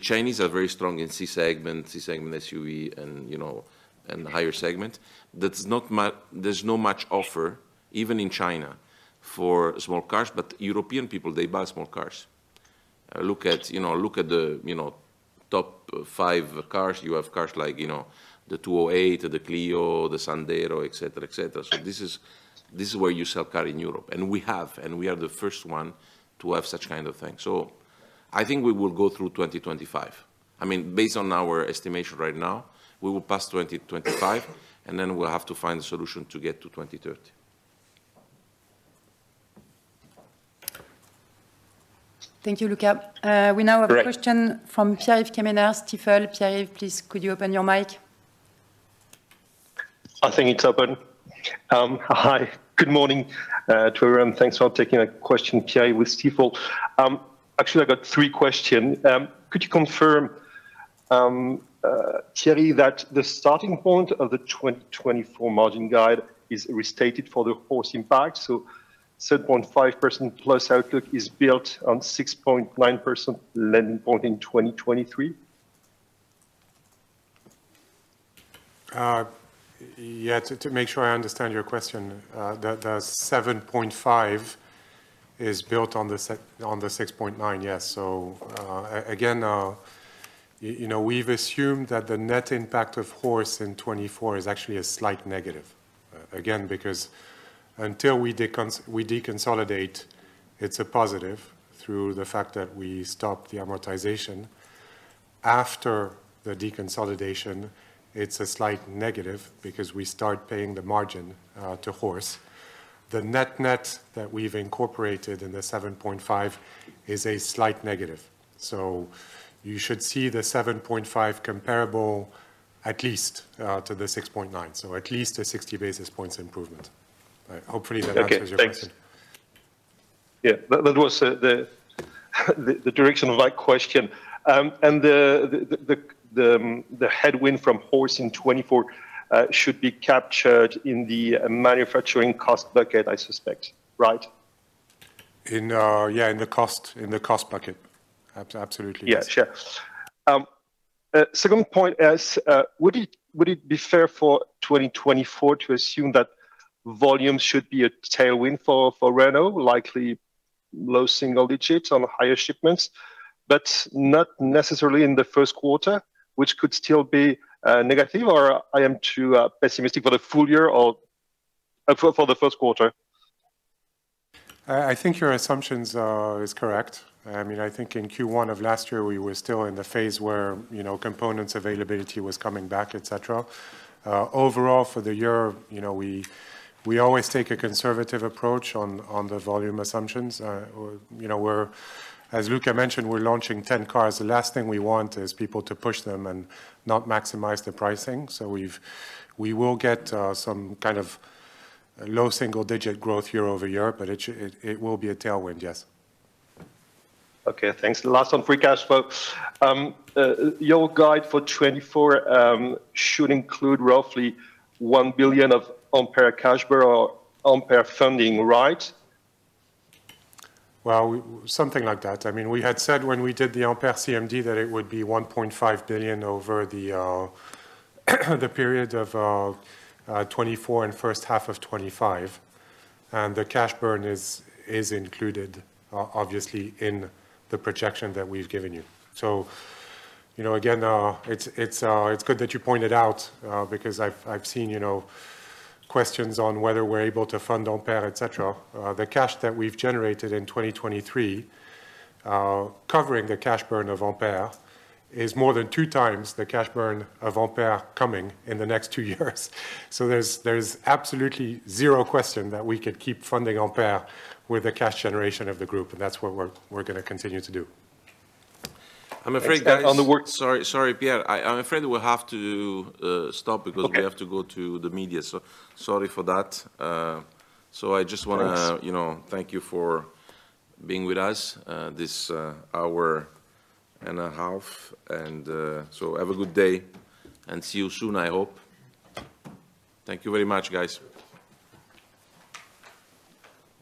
Chinese are very strong in C-segment, C-segment SUV, and higher segment. There's no much offer, even in China, for small cars. But European people, they buy small cars. Look at the top five cars. You have cars like the 208, the Clio, the Sandero, etcetera, etcetera. So this is where you sell car in Europe. And we have. We are the first one to have such kind of thing. So I think we will go through 2025. I mean, based on our estimation right now, we will pass 2025. And then we'll have to find a solution to get to 2030.
Thank you, Luca. We now have a question from Pierre-Yves Quéméner, Stifel. Pierre-Yves, please, could you open your mic?
I think it's open. Hi. Good morning to everyone. Thanks for taking my question, Pierre-Yves, with Stifel. Actually, I've got three questions. Could you confirm, Thierry, that the starting point of the 2024 margin guide is restated for the Horse impact? So 7.5%+ outlook is built on 6.9% lending point in 2023?
Yeah. To make sure I understand your question, the 7.5 is built on the 6.9, yes. So again, we've assumed that the net impact of Horse in 2024 is actually a slight negative, again, because until we deconsolidate, it's a positive through the fact that we stop the amortization. After the deconsolidation, it's a slight negative because we start paying the margin to Horse. The net-net that we've incorporated in the 7.5 is a slight negative. So you should see the 7.5 comparable, at least, to the 6.9, so at least a 60 basis points improvement. Hopefully, that answers your question.
Yeah. That was the direction of my question. The headwind from Horse in 2024 should be captured in the manufacturing cost bucket, I suspect, right?
Yeah, in the cost bucket. Absolutely, yes.
Yeah. Second point is, would it be fair for 2024 to assume that volume should be a tailwind for Renault, likely low single digits on higher shipments but not necessarily in the Q1, which could still be negative? Or I am too pessimistic for the full year or for the Q1?
I think your assumptions are correct. I mean, I think in Q1 of last year, we were still in the phase where components availability was coming back, etcetera. Overall, for the year, we always take a conservative approach on the volume assumptions. As Luca mentioned, we're launching 10 cars. The last thing we want is people to push them and not maximize the pricing. So we will get some kind of low single-digit growth year-over-year. But it will be a tailwind, yes.
OK. Thanks. Last on free cash flow. Your guide for 2024 should include roughly 1 billion of Ampere cash flow or Ampere funding, right?
Well, something like that. I mean, we had said when we did the Ampere CMD that it would be 1.5 billion over the period of 2024 and H1 of 2025. The cash burn is included, obviously, in the projection that we've given you. Again, it's good that you pointed out because I've seen questions on whether we're able to fund Ampere, etcetera. The cash that we've generated in 2023 covering the cash burn of Ampere is more than two times the cash burn of Ampere coming in the next two years. There's absolutely zero question that we could keep funding Ampere with the cash generation of the group. That's what we're going to continue to do.
I'm afraid that, on the word, sorry, Pierre. I'm afraid we'll have to stop because we have to go to the media. Sorry for that. I just want to thank you for being with us this hour and a half. Have a good day. See you soon, I hope. Thank you very much, guys.